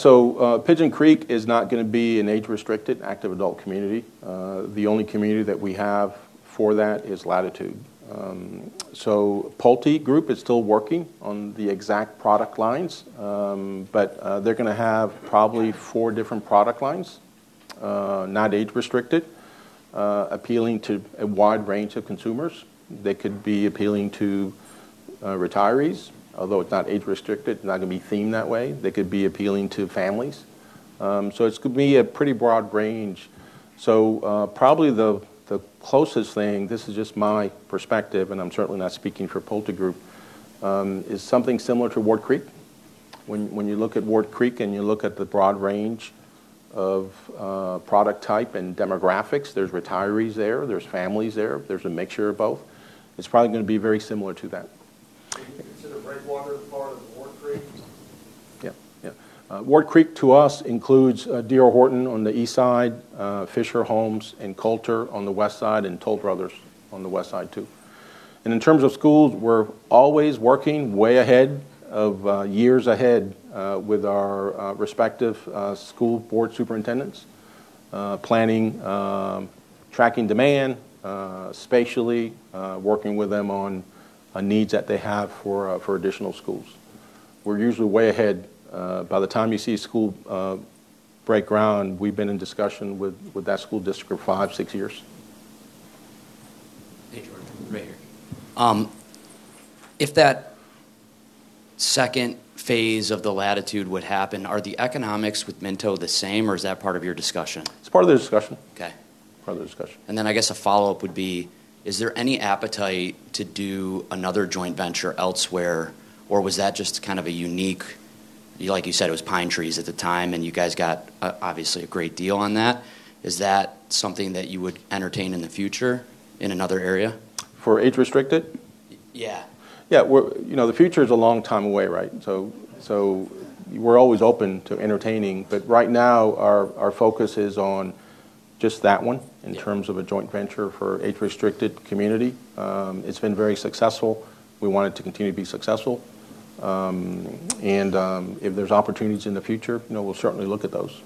S1: Pigeon Creek is not gonna be an age-restricted active adult community. The only community that we have for that is Latitude. PulteGroup is still working on the exact product lines. They're gonna have probably four different product lines, not age-restricted, appealing to a wide range of consumers. They could be appealing to retirees, although it's not age-restricted, not gonna be themed that way. They could be appealing to families. It's gonna be a pretty broad range. Probably the closest thing, this is just my perspective and I'm certainly not speaking for PulteGroup, is something similar to Ward Creek. When you look at Ward Creek and you look at the broad range of product type and demographics, there's retirees there's families there's a mixture of both. It's probably gonna be very similar to that.
S6: Do you consider Breakwater part of Ward Creek?
S1: Yeah, yeah. Ward Creek to us includes D.R. Horton on the east side, Fischer Homes and Kolter on the west side, and Toll Brothers on the west side too. In terms of schools, we're always working way ahead of years ahead with our respective school board superintendents, planning, tracking demand, spatially, working with them on needs that they have for additional schools. We're usually way ahead. By the time you see a school break ground, we've been in discussion with that school district for five, six years.
S7: Hey, Jordan here. If that second phase of the Latitude would happen, are the economics with Minto the same or is that part of your discussion?
S1: It's part of the discussion.
S7: Okay.
S1: Part of the discussion.
S7: I guess a follow-up would be: Is there any appetite to do another joint venture elsewhere, or was that just kind of a unique, like you said, it was pine trees at the time, and you guys got obviously a great deal on that? Is that something that you would entertain in the future in another area?
S1: For age-restricted?
S7: Yeah.
S1: Yeah. You know, the future is a long time away, right? We're always open to entertaining. right now our focus is on just that one.
S7: Yeah
S1: in terms of a joint venture for age-restricted community. It's been very successful. We want it to continue to be successful. If there's opportunities in the future, you know, we'll certainly look at those.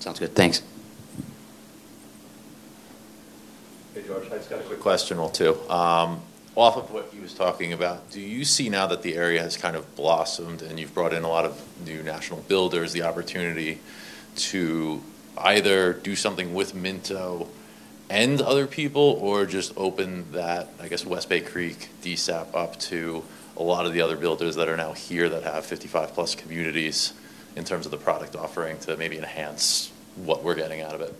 S7: Sounds good. Thanks.
S8: Hey, Jorge. I just got a quick question or two. Off of what he was talking about, do you see now that the area has kind of blossomed, and you've brought in a lot of new national builders, the opportunity to either do something with Minto and other people or just open that, I guess, West Bay Creek DSAP up to a lot of the other builders that are now here that have 55+ communities in terms of the product offering to maybe enhance what we're getting out of it?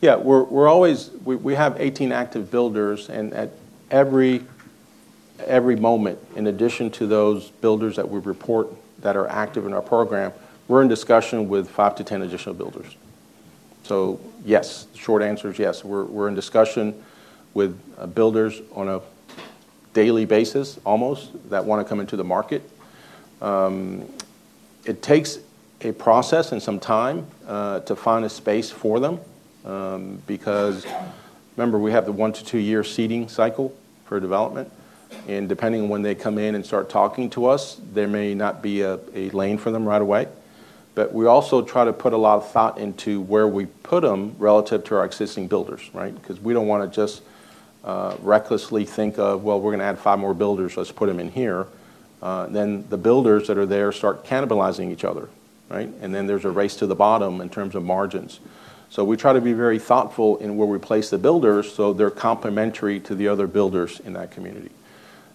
S1: Yeah. We have 18 active builders, at every moment, in addition to those builders that we report that are active in our program, we're in discussion with five-10 additional builders. Yes. Short answer is yes. We're in discussion with builders on a daily basis almost that wanna come into the market. It takes a process and some time to find a space for them because remember, we have the one-two year seeding cycle for development. Depending on when they come in and start talking to us, there may not be a lane for them right away. We also try to put a lot of thought into where we put them relative to our existing builders, right? We don't wanna just recklessly think of, "Well, we're gonna add five more builders. Let's put them in here." The builders that are there start cannibalizing each other, right? There's a race to the bottom in terms of margins. We try to be very thoughtful in where we place the builders, so they're complementary to the other builders in that community.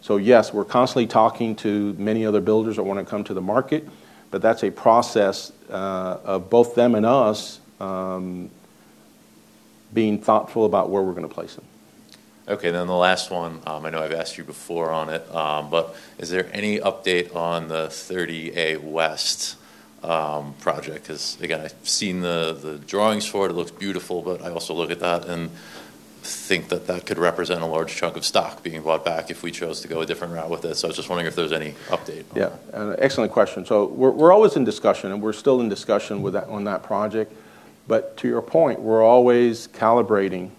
S1: Yes, we're constantly talking to many other builders that wanna come to the market, but that's a process of both them and us being thoughtful about where we're gonna place them.
S8: Okay, the last one, I know I've asked you before on it. Is there any update on the 30A West project? Cause again, I've seen the drawings for it. It looks beautiful, but I also look at that and think that that could represent a large chunk of stock being bought back if we chose to go a different route with it. I was just wondering if there was any update.
S1: An excellent question. We're always in discussion, and we're still in discussion with that, on that project. To your point, we're always calibrating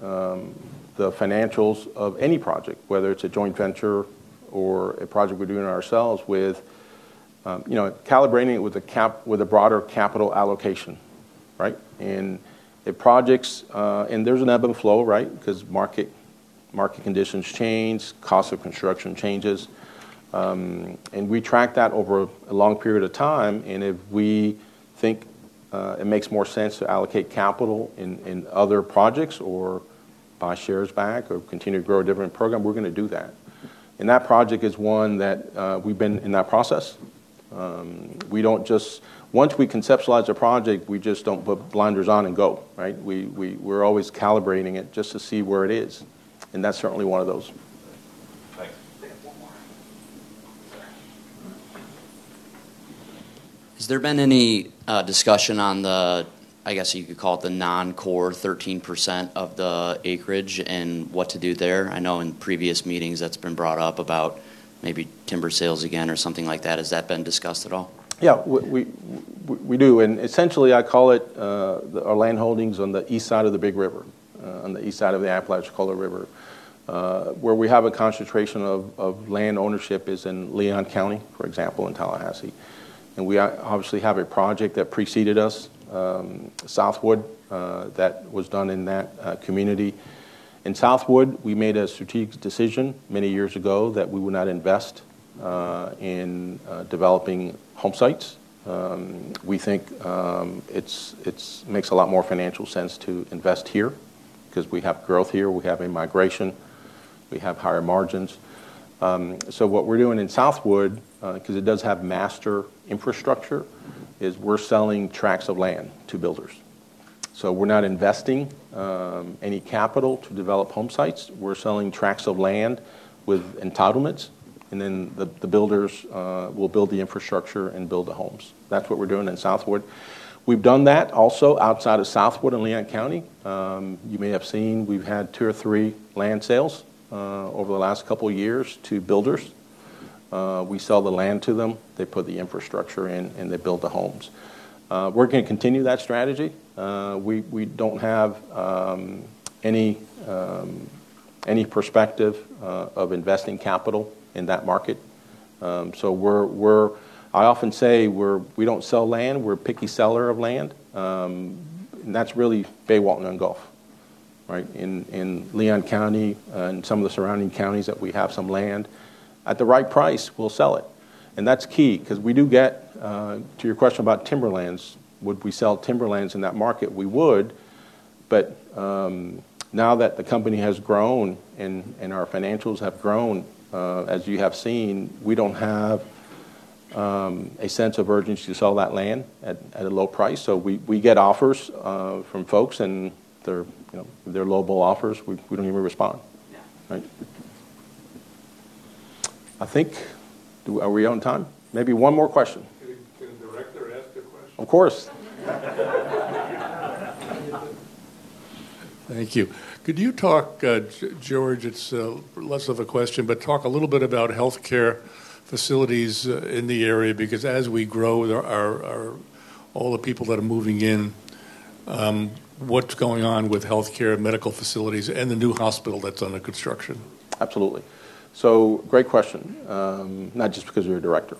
S1: the financials of any project, whether it's a joint venture or a project we're doing ourselves with, you know, calibrating it with a broader capital allocation, right? There's an ebb and flow, right? Because market conditions change, cost of construction changes. We track that over a long period of time, and if we think it makes more sense to allocate capital in other projects or buy shares back or continue to grow a different program, we're gonna do that. That project is one that we've been in that process. Once we conceptualize a project, we just don't put blinders on and go, right? We're always calibrating it just to see where it is, and that's certainly one of those.
S8: Thanks.
S7: Has there been any discussion on the, I guess you could call it the non-core 13% of the acreage and what to do there? I know in previous meetings that's been brought up about maybe timber sales again or something like that. Has that been discussed at all?
S1: Yeah. We do. Essentially, I call it, our land holdings on the east side of the big river, on the east side of the Apalachicola River. Where we have a concentration of land ownership is in Leon County, for example, in Tallahassee. We obviously have a project that preceded us, Southwood, that was done in that community. In Southwood, we made a strategic decision many years ago that we would not invest in developing home sites. We think it makes a lot more financial sense to invest here 'cause we have growth here, we have immigration, we have higher margins. What we're doing in Southwood, 'cause it does have master infrastructure, is we're selling tracts of land to builders. We're not investing any capital to develop home sites. We're selling tracts of land with entitlements, then the builders will build the infrastructure and build the homes. That's what we're doing in Southwood. We've done that also outside of Southwood in Leon County. You may have seen, we've had two or three land sales over the last couple years to builders. We sell the land to them, they put the infrastructure in, they build the homes. We're gonna continue that strategy. We don't have any perspective of investing capital in that market. I often say we don't sell land, we're a picky seller of land. That's really Bay, Walton, and Gulf, right? In Leon County and some of the surrounding counties that we have some land. At the right price, we'll sell it. That's key because we do get. To your question about Timberlands, would we sell Timberlands in that market? We would. Now that the company has grown and our financials have grown, as you have seen, we don't have a sense of urgency to sell that land at a low price. We get offers from folks, and they're, you know, they're low ball offers. We don't even respond.
S7: Yeah.
S1: Right. I think, are we out on time? Maybe one more question. Of course.
S8: Thank you. Could you talk, Jorge, it's less of a question, but talk a little bit about healthcare facilities in the area because as we grow, there are all the people that are moving in, what's going on with healthcare and medical facilities and the new hospital that's under construction?
S1: Absolutely. Great question, not just because you're a director.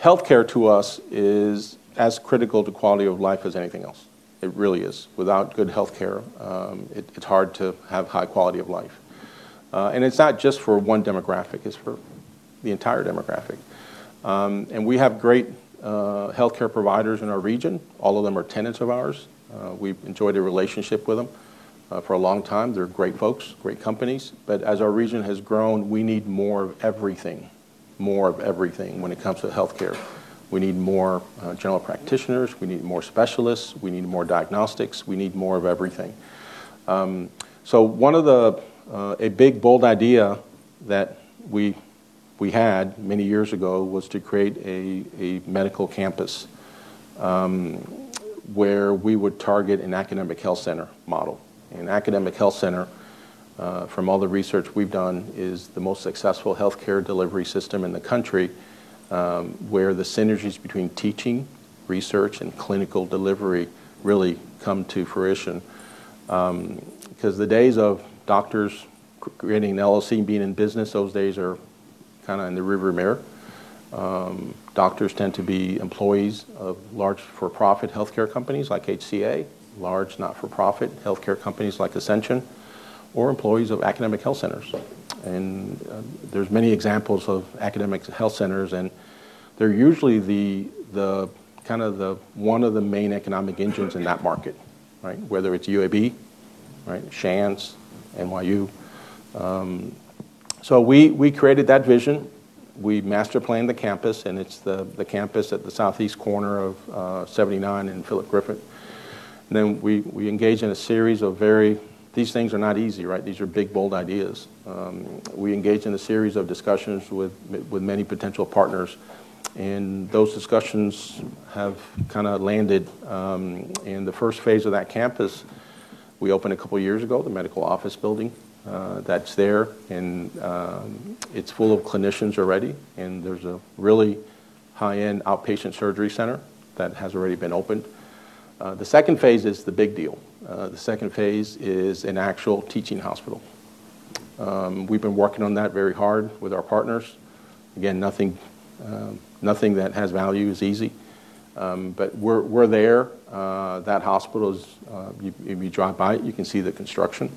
S1: Healthcare to us is as critical to quality of life as anything else. It really is. Without good healthcare, it's hard to have high quality of life. It's not just for one demographic, it's for the entire demographic. We have great healthcare providers in our region. All of them are tenants of ours. We've enjoyed a relationship with them for a long time. They're great folks, great companies, but as our region has grown, we need more of everything, more of everything when it comes to healthcare. We need more general practitioners, we need more specialists, we need more diagnostics, we need more of everything. One of the a big, bold idea that we had many years ago was to create a medical campus where we would target an academic health center model. An academic health center from all the research we've done, is the most successful healthcare delivery system in the country, where the synergies between teaching, research, and clinical delivery really come to fruition. 'Cause the days of doctors creating an LLC and being in business, those days are kind of in the rear view mirror. Doctors tend to be employees of large, for-profit healthcare companies like HCA, large not-for-profit healthcare companies like Ascension, or employees of academic health centers. There's many examples of academic health centers, and they're usually the kind of the one of the main economic engines in that market, right? Whether it's UAB, right? Shands, NYU. We created that vision. We master planned the campus, and it's the campus at the southeast corner of 79 and Philip Griffitts. These things are not easy, right? These are big, bold ideas. We engaged in a series of discussions with many potential partners, and those discussions have kinda landed in the first phase of that campus we opened two years ago, the medical office building. That's there, and it's full of clinicians already, and there's a really high-end outpatient surgery center that has already been opened. The second phase is the big deal. The second phase is an actual teaching hospital. We've been working on that very hard with our partners. Again, nothing that has value is easy. We're there. That hospital's, if you drive by it, you can see the construction.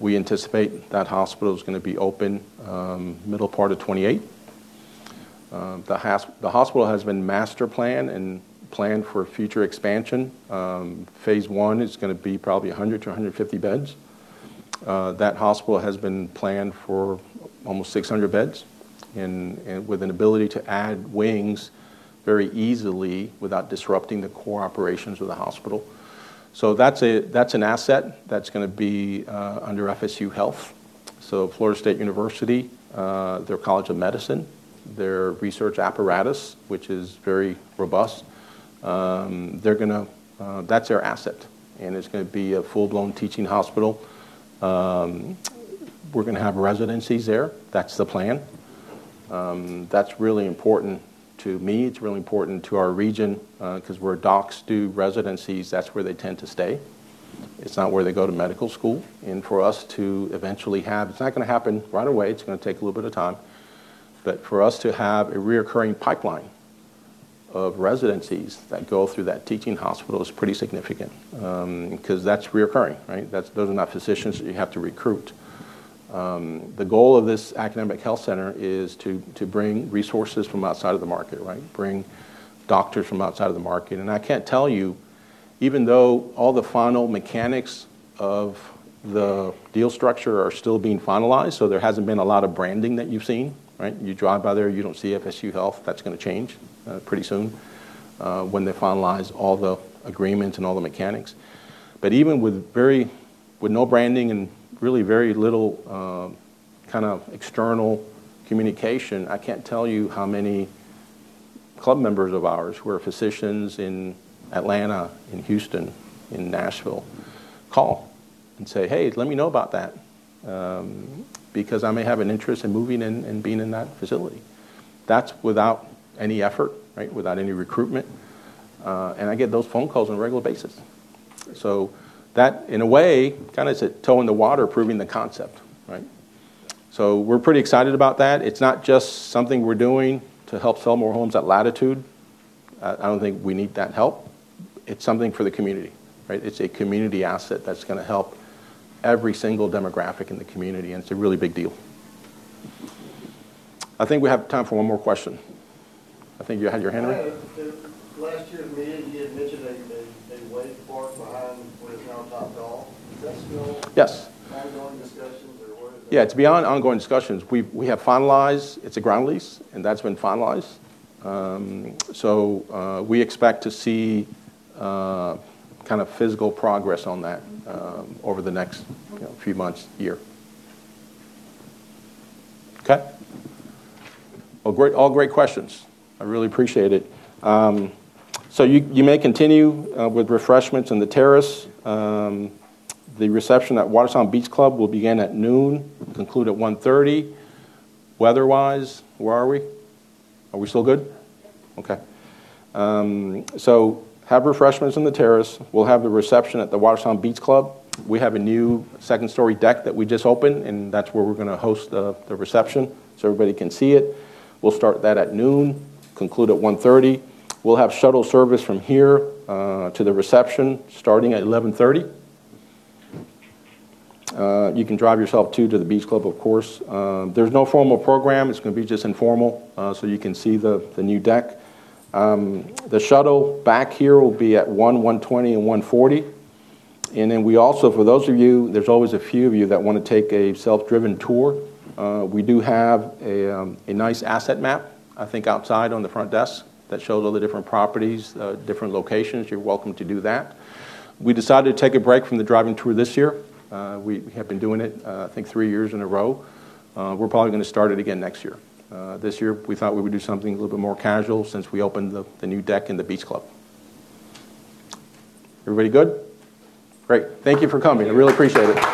S1: We anticipate that hospital's gonna be open middle part of 2028. The hospital has been master planned and planned for future expansion. Phase I is gonna be probably 100 to 150 beds. That hospital has been planned for almost 600 beds, and with an ability to add wings very easily without disrupting the core operations of the hospital. That's an asset that's gonna be under FSU Health, so Florida State University, their College of Medicine, their research apparatus, which is very robust, that's their asset, and it's gonna be a full-blown teaching hospital. We're gonna have residencies there. That's the plan. That's really important to me. It's really important to our region, 'cause where docs do residencies, that's where they tend to stay. It's not where they go to medical school. It's not gonna happen right away, it's gonna take a little bit of time, but for us to have a reoccurring pipeline of residencies that go through that teaching hospital is pretty significant, 'cause that's reoccurring, right? Those are not physicians you have to recruit. The goal of this academic health center is to bring resources from outside of the market, right? Bring doctors from outside of the market. I can't tell you, even though all the final mechanics of the deal structure are still being finalized, so there hasn't been a lot of branding that you've seen, right? You drive by there, you don't see FSU Health. That's gonna change pretty soon when they finalize all the agreements and all the mechanics. Even with very, with no branding and really very little, kind of external communication, I can't tell you how many club members of ours who are physicians in Atlanta, in Houston, in Nashville, call and say, "Hey, let me know about that, because I may have an interest in moving in and being in that facility." That's without any effort, right? Without any recruitment. I get those phone calls on a regular basis. That, in a way, kinda is a toe in the water proving the concept, right? We're pretty excited about that. It's not just something we're doing to help sell more homes at Latitude. I don't think we need that help. It's something for the community, right? It's a community asset that's gonna help every single demographic in the community, and it's a really big deal. I think we have time for 1 more question. I think you had your hand raised.
S6: Yeah. At last year's meeting, you had mentioned a lake park behind where the Town Topgolf. Is that still?
S1: Yes
S6: ongoing discussions, or where is it?
S1: Yeah, it's beyond ongoing discussions. We have finalized, it's a ground lease, and that's been finalized. We expect to see kind of physical progress on that over the next, you know, few months, year. Okay. Well, great, all great questions. I really appreciate it. You may continue with refreshments on the terrace. The reception at Watersound Beach Club will begin at 12:00 P.M., conclude at 1:30 P.M. Weather-wise, where are we? Are we still good?
S6: Yeah.
S1: Have refreshments on the terrace. We'll have the reception at the Watersound Beach Club. We have a new second-story deck that we just opened, and that's where we're gonna host the reception, so everybody can see it. We'll start that at noon., conclude at 1:30 P.M. We'll have shuttle service from here to the reception starting at 11:30 A.M. You can drive yourself, too, to the Beach Club, of course. There's no formal program. It's gonna be just informal, so you can see the new deck. The shuttle back here will be at 1:00 P.M., 1:20 P.M., and 1:40 P.M. Then we also, for those of you, there's always a few of you that want to take a self-driven tour, we do have a nice asset map, I think outside on the front desk, that shows all the different properties, different locations. You're welcome to do that. We decided to take a break from the driving tour this year. We have been doing it, I think three years in a row. We're probably going to start it again next year. This year we thought we would do something a little bit more casual since we opened the new deck in the Beach Club. Everybody good? Great. Thank you for coming. I really appreciate it.